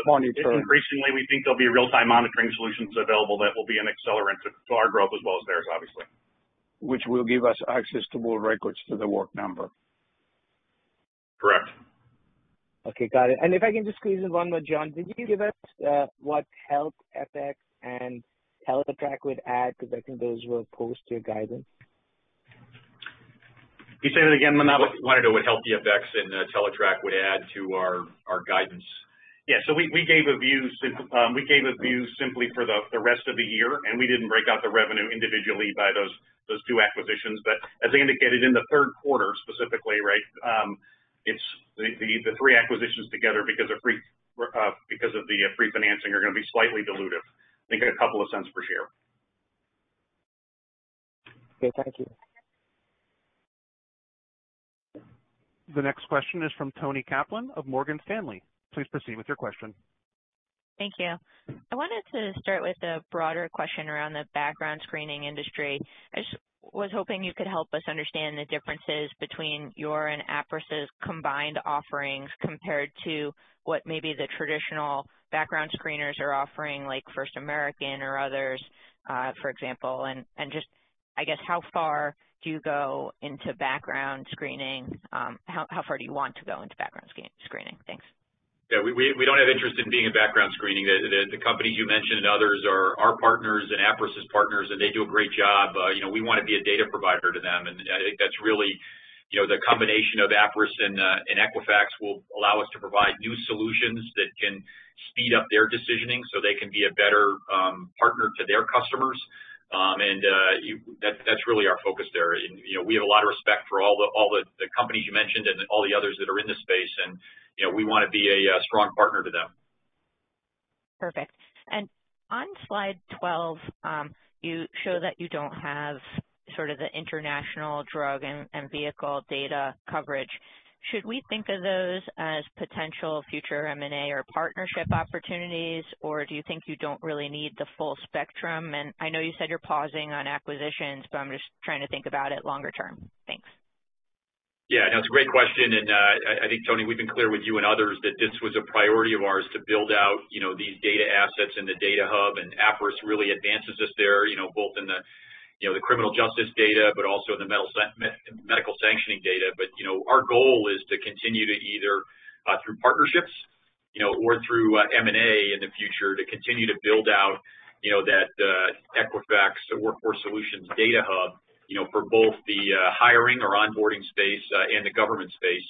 G: Monitoring.
D: Increasingly, we think there'll be real-time monitoring solutions available that will be an accelerant to our growth as well as theirs, obviously.
G: Which will give us access to more records to The Work Number.
D: Correct.
F: Okay, got it. If I can just squeeze in one more, John, could you give us what Health e(fx) and Teletrack would add? I think those were post your guidance.
D: Can you say that again, Manav?
C: Wanted to know what Health e(fx) and Teletrack would add to our guidance.
D: Yeah. We gave a view simply for the rest of the year, and we didn't break out the revenue individually by those two acquisitions. As indicated in the third quarter, specifically, right? The three acquisitions together because of the pre-financing are going to be slightly dilutive. Think a couple of cents per share.
F: Okay. Thank you.
A: The next question is from Toni Kaplan of Morgan Stanley. Please proceed with your question.
H: Thank you. I wanted to start with a broader question around the background screening industry. I just was hoping you could help us understand the differences between your and Appriss' combined offerings compared to what maybe the traditional background screeners are offering, like First Advantage or others, for example. Just, I guess, how far do you go into background screening? How far do you want to go into background screening? Thanks.
C: Yeah. We don't have interest in being a background screening. The companies you mentioned and others are our partners and Appriss' partners, and they do a great job. We want to be a data provider to them, and I think that's really. The combination of Appriss and Equifax will allow us to provide new solutions that can speed up their decisioning so they can be a better partner to their customers. That's really our focus there. We have a lot of respect for all the companies you mentioned and all the others that are in this space. We want to be a strong partner to them.
H: Perfect. On slide 12, you show that you don't have sort of the international drug and vehicle data coverage. Should we think of those as potential future M&A or partnership opportunities, or do you think you don't really need the full spectrum? I know you said you're pausing on acquisitions, but I'm just trying to think about it longer term. Thanks.
C: Yeah, no, it's a great question. I think, Toni, we've been clear with you and others that this was a priority of ours to build out these data assets in the data hub. Appriss Insights really advances us there, both in the criminal justice data, but also the medical sanctioning data. Our goal is to continue to either through partnerships or through M&A in the future to continue to build out that Equifax Workforce Solutions data hub for both the hiring or onboarding space and the government space.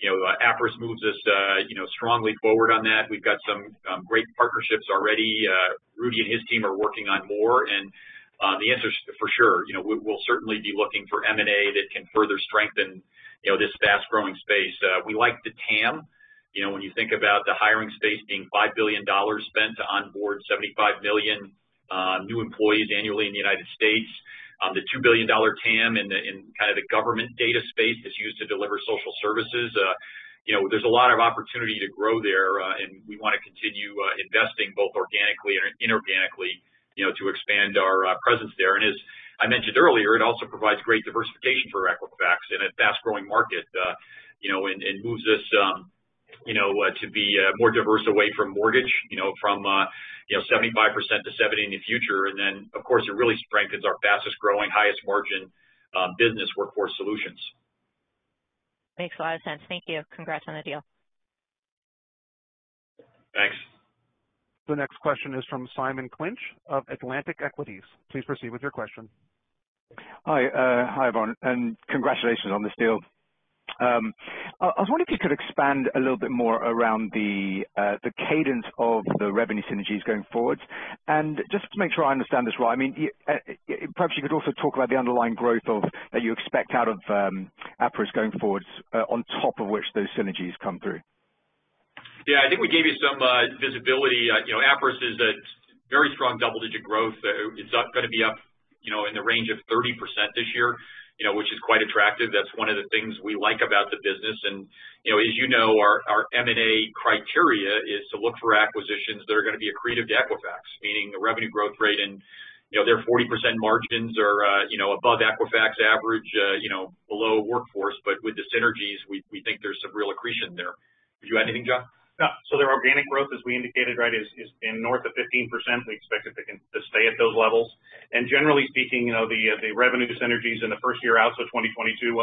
C: Appriss Insights moves us strongly forward on that. We've got some great partnerships already. Rudy Ploder and his team are working on more. The answer is for sure. We'll certainly be looking for M&A that can further strengthen this fast-growing space. We like the TAM. When you think about the hiring space being $5 billion spent to onboard 75 million new employees annually in the U.S., the $2 billion TAM in the kind of the government data space that's used to deliver social services. There's a lot of opportunity to grow there. We want to continue investing both organically and inorganically to expand our presence there. As I mentioned earlier, it also provides great diversification for Equifax in a fast-growing market, and moves us to be more diverse away from mortgage. From 75% to 70% in the future, then, of course, it really strengthens our fastest-growing, highest margin business Workforce Solutions.
H: Makes a lot of sense. Thank you. Congrats on the deal.
C: Thanks.
A: The next question is from Simon Clinch of Atlantic Equities. Please proceed with your question.
I: Hi, Begor, and congratulations on this deal. I was wondering if you could expand a little bit more around the cadence of the revenue synergies going forward. Just to make sure I understand this right, perhaps you could also talk about the underlying growth that you expect out of Appriss going forward, on top of which those synergies come through.
C: Yeah. I think we gave you some visibility. Appriss is a very strong double-digit growth. It's going to be up in the range of 30% this year, which is quite attractive. That's one of the things we like about the business. As you know, our M&A criteria is to look for acquisitions that are going to be accretive to Equifax, meaning the revenue growth rate and their 40% margins are above Equifax average, below Workforce, but with the synergies, we think there's some real accretion there. Would you add anything, John?
D: No. Their organic growth, as we indicated, right, is in north of 15%. We expect it to stay at those levels. Generally speaking, the revenue synergies in the first year out, so 2022,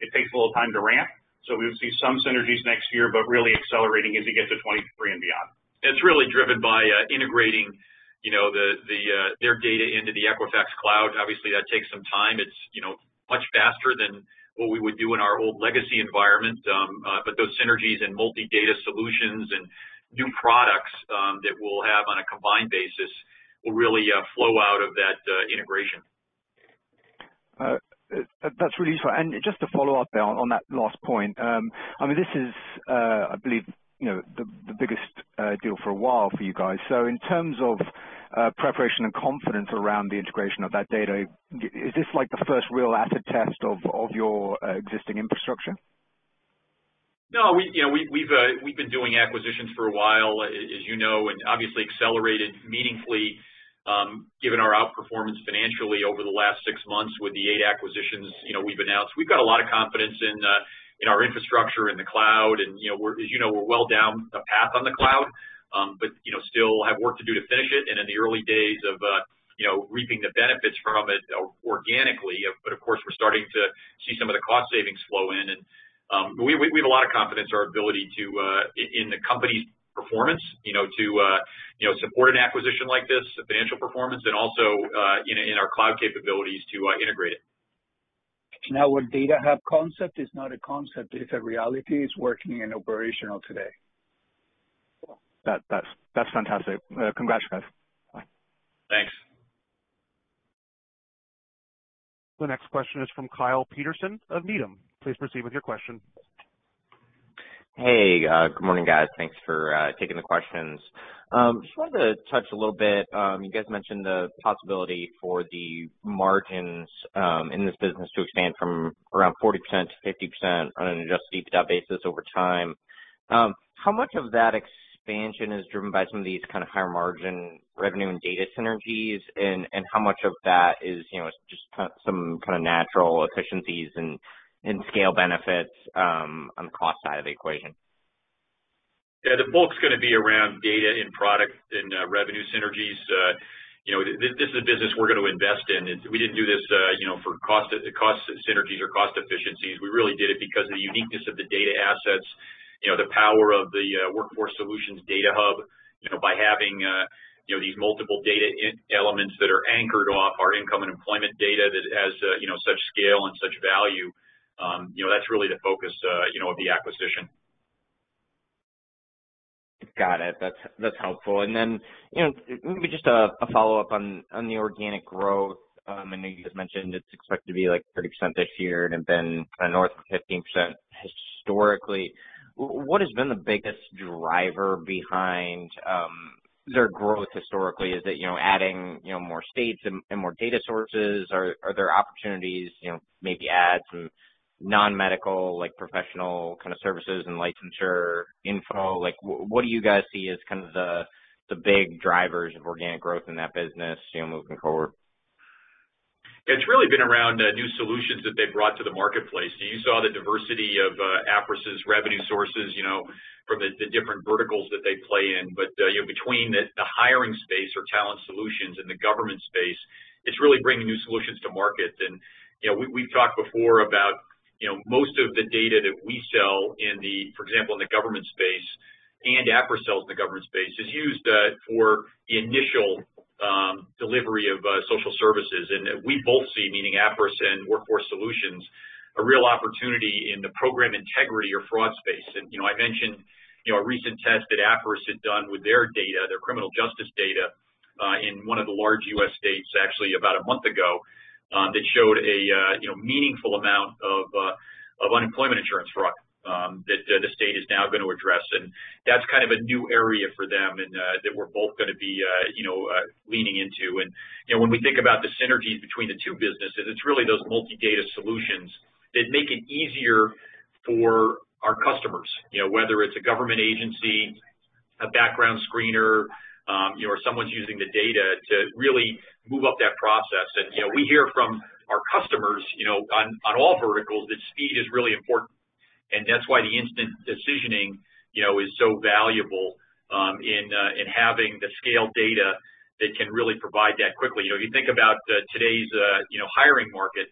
D: it takes a little time to ramp. We would see some synergies next year, really accelerating as we get to 2023 and beyond.
C: It's really driven by integrating their data into the Equifax Cloud. Obviously, that takes some time. It's much faster than what we would do in our old legacy environment. Those synergies and multi-data solutions and new products that we'll have on a combined basis will really flow out of that integration.
I: That's really useful. Just to follow up on that last point, this is, I believe, the biggest deal for a while for you guys. In terms of preparation and confidence around the integration of that data, is this like the first real acid test of your existing infrastructure?
C: No, we've been doing acquisitions for a while, as you know. Obviously accelerated meaningfully given our outperformance financially over the last six months with the eight acquisitions we've announced. We've got a lot of confidence in our infrastructure in the cloud. As you know, we're well down a path on the cloud, but still have work to do to finish it and in the early days of reaping the benefits from it organically. Of course, we're starting to see some of the cost savings flow in. We have a lot of confidence in the company's performance to support an acquisition like this, the financial performance, and also in our cloud capabilities to integrate it.
D: Our Data Hub concept is not a concept, it's a reality. It's working and operational today.
I: That's fantastic. Congrats, guys. Bye.
C: Thanks.
A: The next question is from Kyle Peterson of Needham. Please proceed with your question.
J: Hey, good morning, guys. Thanks for taking the questions. Just wanted to touch a little bit, you guys mentioned the possibility for the margins in this business to expand from around 40%-50% on an adjusted EBITDA basis over time. How much of that expansion is driven by some of these kind of higher margin revenue and data synergies, and how much of that is just some kind of natural efficiencies and scale benefits on the cost side of the equation?
C: Yeah, the bulk's going to be around data and product and revenue synergies. This is a business we're going to invest in. We didn't do this for cost synergies or cost efficiencies. We really did it because of the uniqueness of the data assets. The power of the Workforce Solutions data hub by having these multiple data elements that are anchored off our income and employment data that has such scale and such value, that's really the focus of the acquisition.
J: Got it. That's helpful. Maybe just a follow-up on the organic growth. I know you guys mentioned it's expected to be 30% this year and have been north of 15% historically. What has been the biggest driver behind their growth historically? Is it adding more states and more data sources? Are there opportunities, maybe add some non-medical professional kind of services and licensure info? What do you guys see as the big drivers of organic growth in that business moving forward?
C: It's really been around new solutions that they've brought to the marketplace. You saw the diversity of Appriss' revenue sources from the different verticals that they play in. Between the hiring space or Talent Solutions and the government space, it's really bringing new solutions to market. We've talked before about most of the data that we sell, for example, in the government space, and Appriss sells in the government space, is used for the initial delivery of social services. We both see, meaning Appriss and Workforce Solutions, a real opportunity in the program integrity or fraud space. I mentioned a recent test that Appriss had done with their data, their criminal justice data, in one of the large U.S. states, actually about a month ago, that showed a meaningful amount of unemployment insurance fraud that the state is now going to address. That's kind of a new area for them, and that we're both going to be leaning into. When we think about the synergies between the two businesses, it's really those multi-data solutions that make it easier for our customers. Whether it's a government agency, a background screener, or someone's using the data to really move up that process. We hear from our customers on all verticals that speed is really important, and that's why the instant decisioning is so valuable in having the scale data that can really provide data quickly. You think about today's hiring market,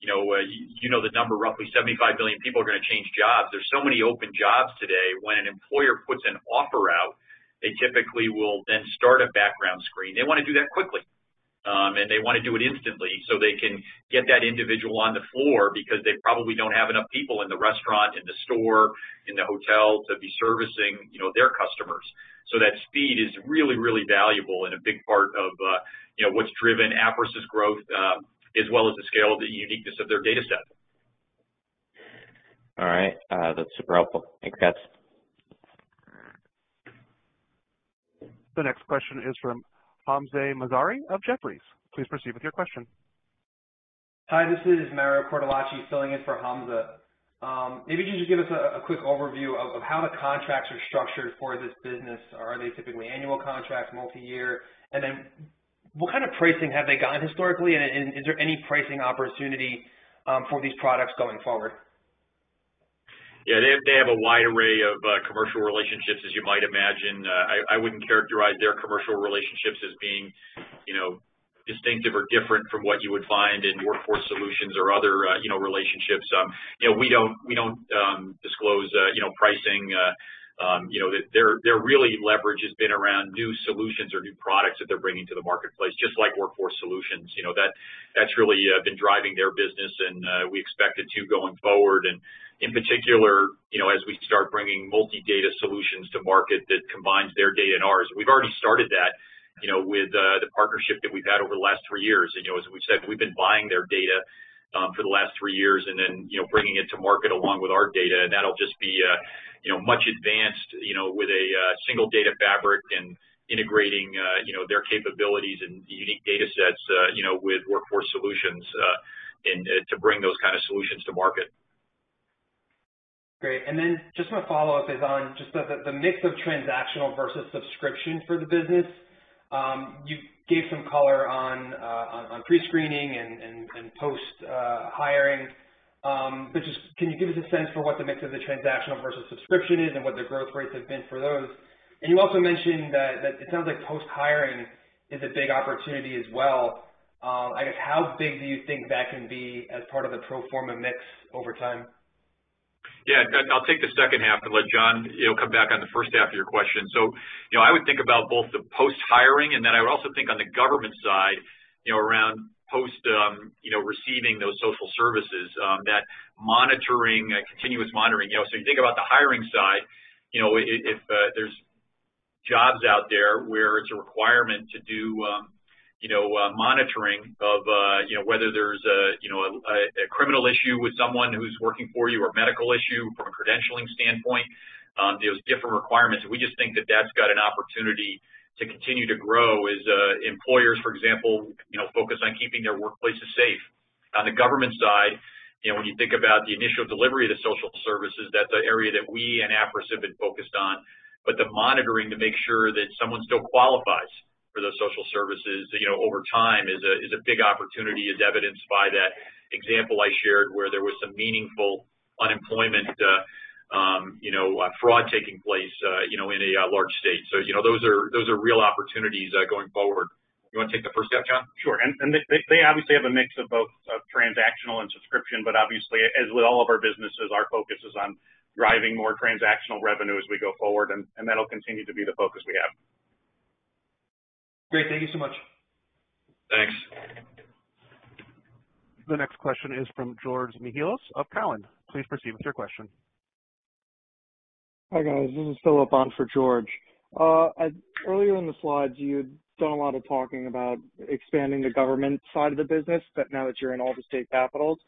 C: you know the number roughly 75 million people are going to change jobs. There's so many open jobs today, when an employer puts an offer out, they typically will then start a background screen. They want to do that quickly, and they want to do it instantly so they can get that individual on the floor because they probably don't have enough people in the restaurant, in the store, in the hotel to be servicing their customers. That speed is really, really valuable and a big part of what's driven Appriss' growth, as well as the scale of the uniqueness of their data set.
J: All right. That's super helpful. Thanks, guys.
A: The next question is from Hamzah Mazari of Jefferies. Please proceed with your question.
K: Hi, this is Mario Cortellacci filling in for Hamzah. Maybe can you just give us a quick overview of how the contracts are structured for this business? Are they typically annual contracts, multi-year? What kind of pricing have they gotten historically, and is there any pricing opportunity for these products going forward?
C: Yeah, they have a wide array of commercial relationships, as you might imagine. I wouldn't characterize their commercial relationships as being distinctive or different from what you would find in Workforce Solutions or other relationships. We don't disclose pricing. Their really leverage has been around new solutions or new products that they're bringing to the marketplace, just like Workforce Solutions. That's really been driving their business, and we expect it to going forward, and in particular as we start bringing multi-data solutions to market that combines their data and ours. We've already started that with the partnership that we've had over the last three years. As we've said, we've been buying their data for the last three years and then bringing it to market along with our data, and that'll just be much advanced with a single data fabric and integrating their capabilities and unique data sets with Workforce Solutions to bring those kind of solutions to market.
K: Great. Just want to follow up is on just the mix of transactional versus subscription for the business. You gave some color on pre-screening and post-hiring. Can you give us a sense for what the mix of the transactional versus subscription is and what the growth rates have been for those? You also mentioned that it sounds like post-hiring is a big opportunity as well. I guess how big do you think that can be as part of the pro forma mix over time?
C: Yeah, I'll take the second half and let John come back on the first half of your question. I would think about both the post-hiring, and then I would also think on the government side around post receiving those social services, that continuous monitoring. You think about the hiring side, if there's jobs out there where it's a requirement to do monitoring of whether there's a criminal issue with someone who's working for you or a medical issue from a credentialing standpoint, there's different requirements. We just think that that's got an opportunity to continue to grow as employers, for example, focus on keeping their workplaces safe. On the government side, when you think about the initial delivery of the social services, that's an area that we and Appriss have been focused on. The monitoring to make sure that someone still qualifies for those social services over time is a big opportunity, as evidenced by that example I shared where there was some meaningful unemployment fraud taking place in a large state. Those are real opportunities going forward. You want to take the first stab, John?
D: Sure. They obviously have a mix of both transactional and subscription, but obviously, as with all of our businesses, our focus is on driving more transactional revenue as we go forward, and that'll continue to be the focus we have.
K: Great. Thank you so much.
C: Thanks.
A: The next question is from George Mihalos of Cowen. Please proceed with your question.
L: Hi, guys. This is Philip on for George. Earlier in the slides, you had done a lot of talking about expanding the government side of the business, but now that you're in all the state capitals,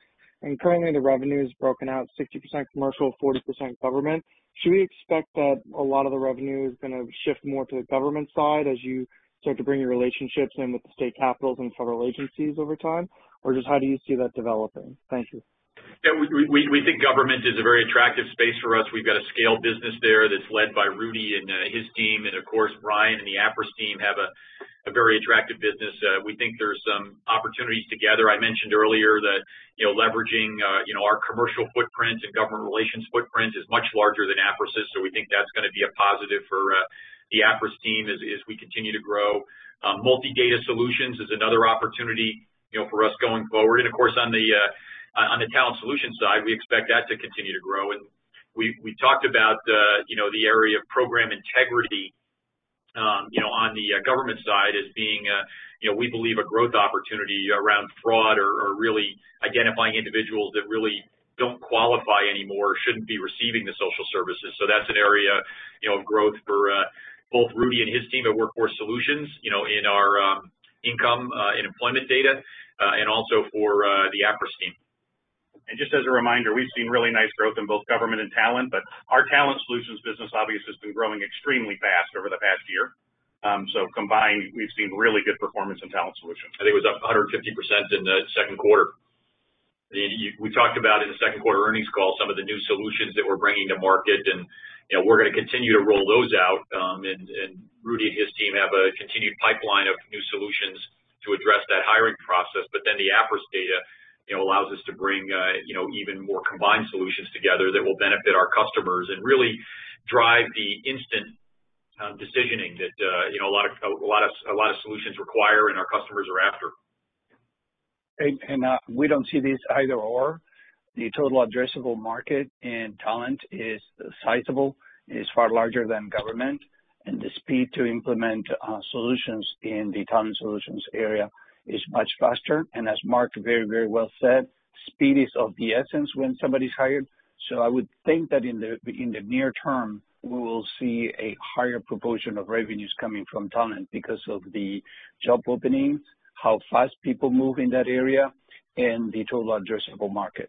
L: and currently the revenue is broken out 60% commercial, 40% government. Should we expect that a lot of the revenue is going to shift more to the government side as you start to bring your relationships in with the state capitals and federal agencies over time? Just how do you see that developing? Thank you.
C: Yeah. We think government is a very attractive space for us. We've got a scale business there that's led by Rudy and his team, and of course, Ryan and the Appriss team have a very attractive business. We think there's some opportunities together. I mentioned earlier that leveraging our commercial footprint and government relations footprint is much larger than Appriss is, so we think that's going to be a positive for the Appriss team as we continue to grow. Multi-data solutions is another opportunity for us going forward. Of course, on the Talent Solutions side, we expect that to continue to grow. We talked about the area of program integrity on the government side as being, we believe, a growth opportunity around fraud or really identifying individuals that really don't qualify anymore, shouldn't be receiving the social services. That's an area of growth for both Rudy and his team at Workforce Solutions, in our income and employment data, and also for the Appriss team.
D: Just as a reminder, we've seen really nice growth in both government and talent, our talent solutions business, obviously, has been growing extremely fast over the past year. Combined, we've seen really good performance in talent solutions.
C: I think it was up 150% in the second quarter. We talked about in the second quarter earnings call some of the new solutions that we're bringing to market, and we're going to continue to roll those out. Rudy and his team have a continued pipeline of new solutions to address that hiring process. The Appriss data allows us to bring even more combined solutions together that will benefit our customers and really drive the instant decisioning that a lot of solutions require and our customers are after.
G: We don't see this either/or. The total addressable market in talent is sizable, is far larger than government, and the speed to implement solutions in the Talent Solutions area is much faster. As Mark very well said, speed is of the essence when somebody's hired. I would think that in the near term, we will see a higher proportion of revenues coming from talent because of the job openings, how fast people move in that area, and the total addressable market.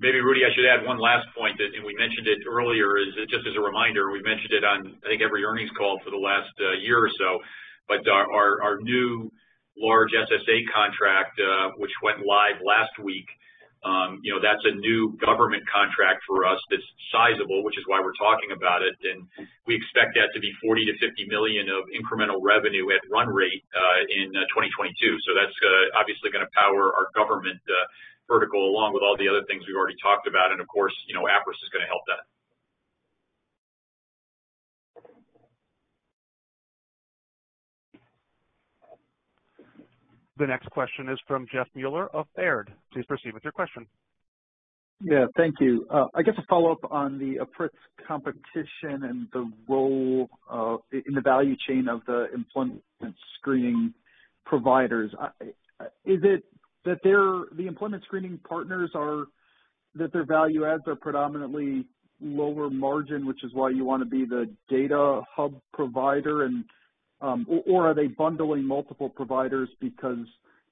C: Maybe, Rudy, I should add one last point, and we mentioned it earlier. Just as a reminder, we've mentioned it on, I think, every earnings call for the last year or so, but our new large SSA contract, which went live last week, that's a new government contract for us that's sizable, which is why we're talking about it. We expect that to be $40 million to $50 million of incremental revenue at run rate in 2022. That's obviously going to power our government vertical along with all the other things we already talked about. Of course, Appriss is going to help that.
A: The next question is from Jeff Meuler of Baird. Please proceed with your question.
M: Yeah, thank you. I guess a follow-up on the Appriss competition and the role in the value chain of the employment screening providers. Is it that their value adds are predominantly lower margin, which is why you want to be the data hub provider? Are they bundling multiple providers because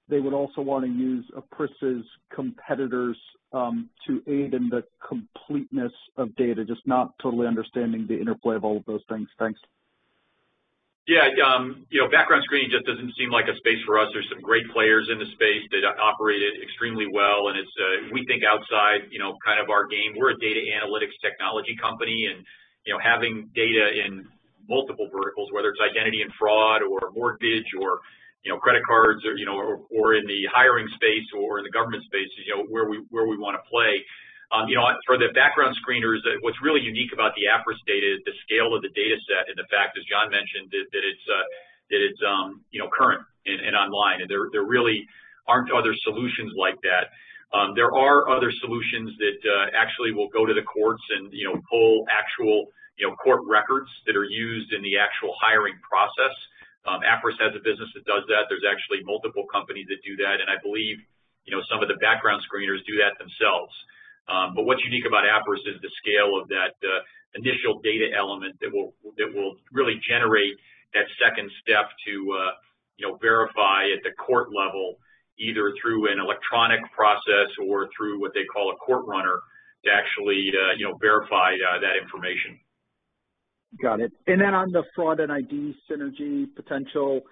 M: they would also want to use Appriss's competitors to aid in the completeness of data? Just not totally understanding the interplay of all of those things. Thanks.
C: Yeah. Background screening just doesn't seem like a space for us. There's some great players in the space that operate it extremely well, and it's we think outside kind of our game. We're a data analytics technology company, and having data in multiple verticals, whether it's identity and fraud or mortgage or credit cards or in the hiring space or in the government space is where we want to play. For the background screeners, what's really unique about the Appriss data is the scale of the data set and the fact, as John mentioned, that it's current and online. There really aren't other solutions like that. There are other solutions that actually will go to the courts and pull actual court records that are used in the actual hiring process. Appriss has a business that does that. There's actually multiple companies that do that. I believe some of the background screeners do that themselves. What's unique about Appriss is the scale of that initial data element that will really generate that second step to verify at the court level, either through an electronic process or through what they call a court runner to actually verify that information.
M: Got it. On the fraud and ID synergy potential,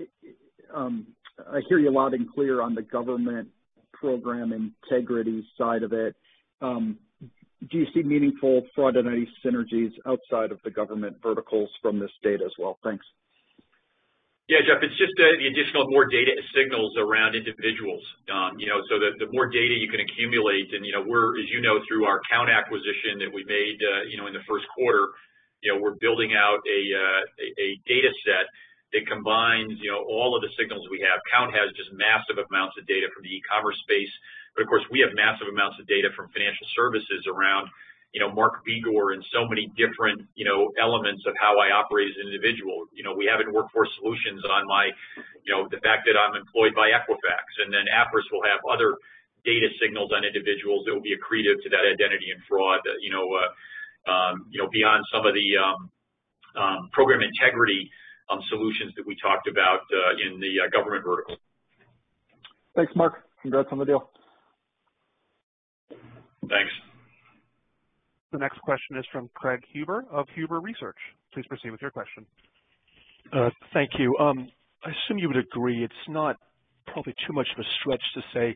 M: I hear you loud and clear on the government program integrity side of it. Do you see meaningful fraud and ID synergies outside of the government verticals from this data as well? Thanks.
C: Yeah, Jeff, it's just the additional more data signals around individuals. The more data you can accumulate, and as you know through our talent acquisition that we made in the first quarter. We're building out a data set that combines all of the signals we have. Kount has just massive amounts of data from the e-commerce space. Of course, we have massive amounts of data from financial services around Mark Begor and so many different elements of how I operate as an individual. We have in Workforce Solutions on the fact that I'm employed by Equifax, and then Appriss Insights will have other data signals on individuals that will be accretive to that identity and fraud, beyond some of the program integrity solutions that we talked about in the government vertical.
M: Thanks, Mark. Congrats on the deal.
C: Thanks.
A: The next question is from Craig Huber of Huber Research. Please proceed with your question.
N: Thank you. I assume you would agree it's not probably too much of a stretch to say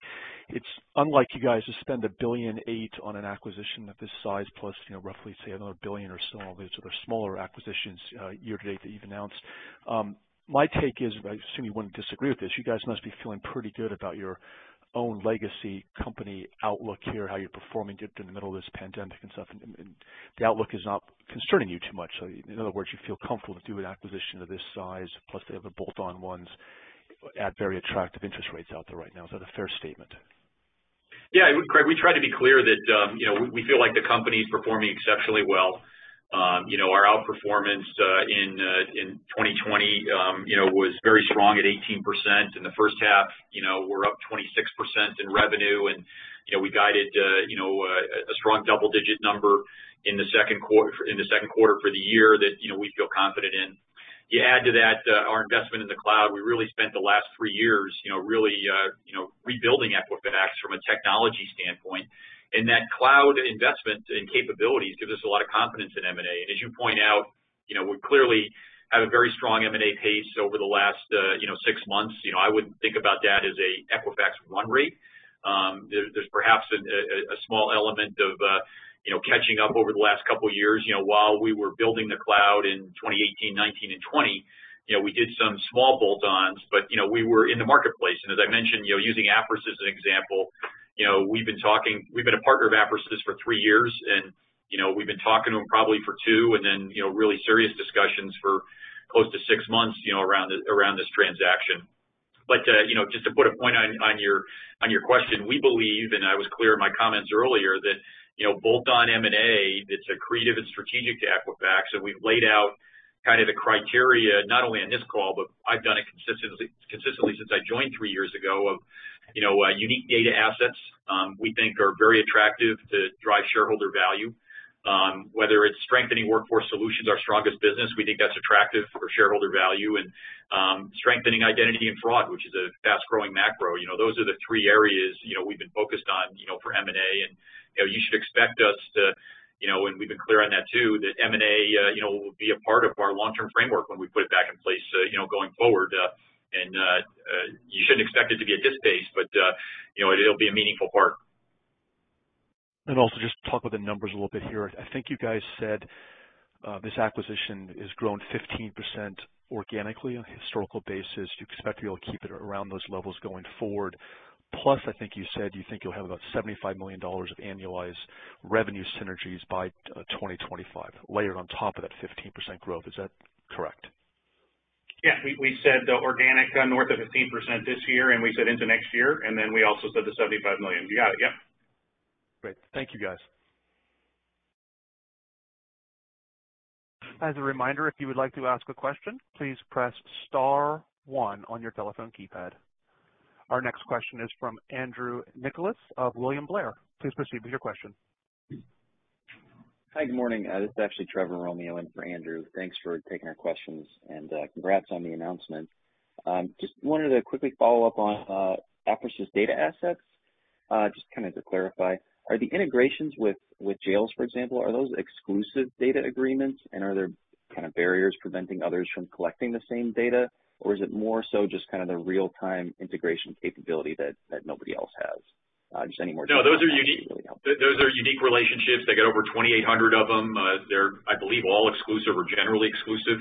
N: it's unlike you guys to spend $1.8 billion on an acquisition of this size plus roughly, say, another $1 billion or so on these other smaller acquisitions year to date that you've announced. My take is, I assume you wouldn't disagree with this, you guys must be feeling pretty good about your own legacy company outlook here, how you're performing in the middle of this pandemic and stuff, and the outlook is not concerning you too much. In other words, you feel comfortable to do an acquisition of this size, plus the other bolt-on ones at very attractive interest rates out there right now. Is that a fair statement?
C: Yeah, Craig, we try to be clear that we feel like the company's performing exceptionally well. Our outperformance in 2020 was very strong at 18%. In the first half, we're up 26% in revenue, we guided a strong double-digit number in the second quarter for the year that we feel confident in. You add to that our investment in the cloud. We really spent the last three years really rebuilding Equifax from a technology standpoint. That cloud investment and capabilities give us a lot of confidence in M&A. As you point out, we clearly have a very strong M&A pace over the last six months. I would think about that as a Equifax run rate. There's perhaps a small element of catching up over the last couple of years. While we were building the cloud in 2018, 2019, and 2020, we did some small bolt-ons, but we were in the marketplace. As I mentioned, using Appriss as an example, we've been a partner of Appriss' for three years, and we've been talking to them probably for two, and then really serious discussions for close to six months around this transaction. Just to put a point on your question, we believe, and I was clear in my comments earlier, that bolt-on M&A that's accretive and strategic to Equifax. We've laid out the criteria not only on this call, but I've done it consistently since I joined three years ago of unique data assets we think are very attractive to drive shareholder value. Whether it's strengthening Workforce Solutions, our strongest business, we think that's attractive for shareholder value, and strengthening identity and fraud, which is a fast-growing macro. Those are the three areas we've been focused on for M&A. You should expect us to, and we've been clear on that too, that M&A will be a part of our long-term framework when we put it back in place going forward. You shouldn't expect it to be at this pace, but it'll be a meaningful part.
N: Also just talk about the numbers a little bit here. I think you guys said this acquisition has grown 15% organically on a historical basis. Do you expect to be able to keep it around those levels going forward? Plus, I think you said you think you'll have about $75 million of annualized revenue synergies by 2025 layered on top of that 15% growth. Is that correct?
C: We said organic north of 15% this year. We said into next year. We also said the $75 million. You got it. Yep.
N: Great. Thank you, guys.
A: As a reminder, if you would like to ask a question, please press star one on your telephone keypad. Our next question is from Andrew Nicholas of William Blair. Please proceed with your question.
O: Hi. Good morning. This is actually Trevor Romeo in for Andrew. Thanks for taking our questions and congrats on the announcement. Just wanted to quickly follow up on Appriss' data assets. Just to clarify, are the integrations with jails, for example, are those exclusive data agreements? Are there barriers preventing others from collecting the same data? Is it more so just the real-time integration capability that nobody else has? Just any more detail on that would be really helpful.
C: No, those are unique relationships. They got over 2,800 of them. They're, I believe, all exclusive or generally exclusive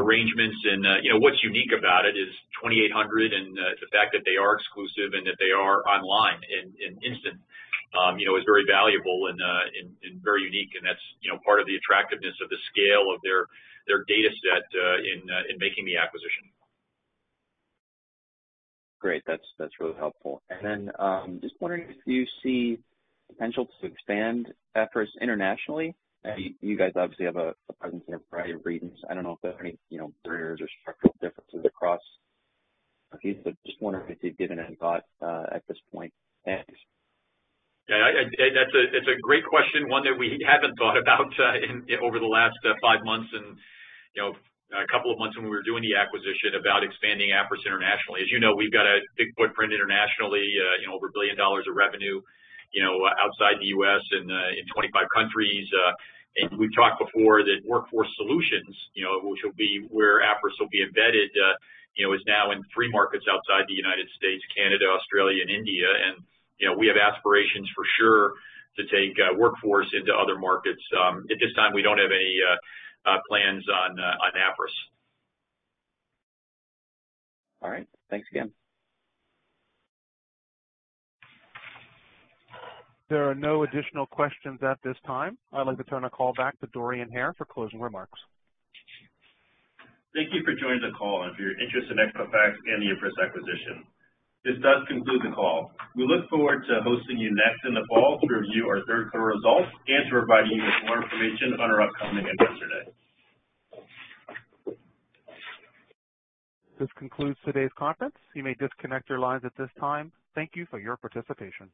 C: arrangements. What's unique about it is 2,800 and the fact that they are exclusive and that they are online and instant is very valuable and very unique. That's part of the attractiveness of the scale of their data set in making the acquisition.
O: Great. That's really helpful. Just wondering if you see potential to expand Appriss internationally. You guys obviously have a presence in a variety of regions. I don't know if there are any barriers or structural differences across a few, but just wondering if you've given any thought at this point. Thanks.
C: Yeah. That's a great question. One that we haven't thought about over the last five months and a couple of months when we were doing the acquisition about expanding Appriss internationally. As you know, we've got a big footprint internationally, over $1 billion of revenue outside the U.S. and in 25 countries. We've talked before that Workforce Solutions, which will be where Appriss will be embedded, is now in three markets outside the United States, Canada, Australia, and India. We have aspirations for sure to take Workforce into other markets. At this time, we don't have any plans on Appriss.
O: All right. Thanks again.
A: There are no additional questions at this time. I'd like to turn the call back to Dorian Hare for closing remarks.
B: Thank you for joining the call and for your interest in Equifax and the Appriss acquisition. This does conclude the call. We look forward to hosting you next in the fall to review our third quarter results and to provide you with more information on our upcoming Investor Day.
A: This concludes today's conference. You may disconnect your lines at this time. Thank you for your participation.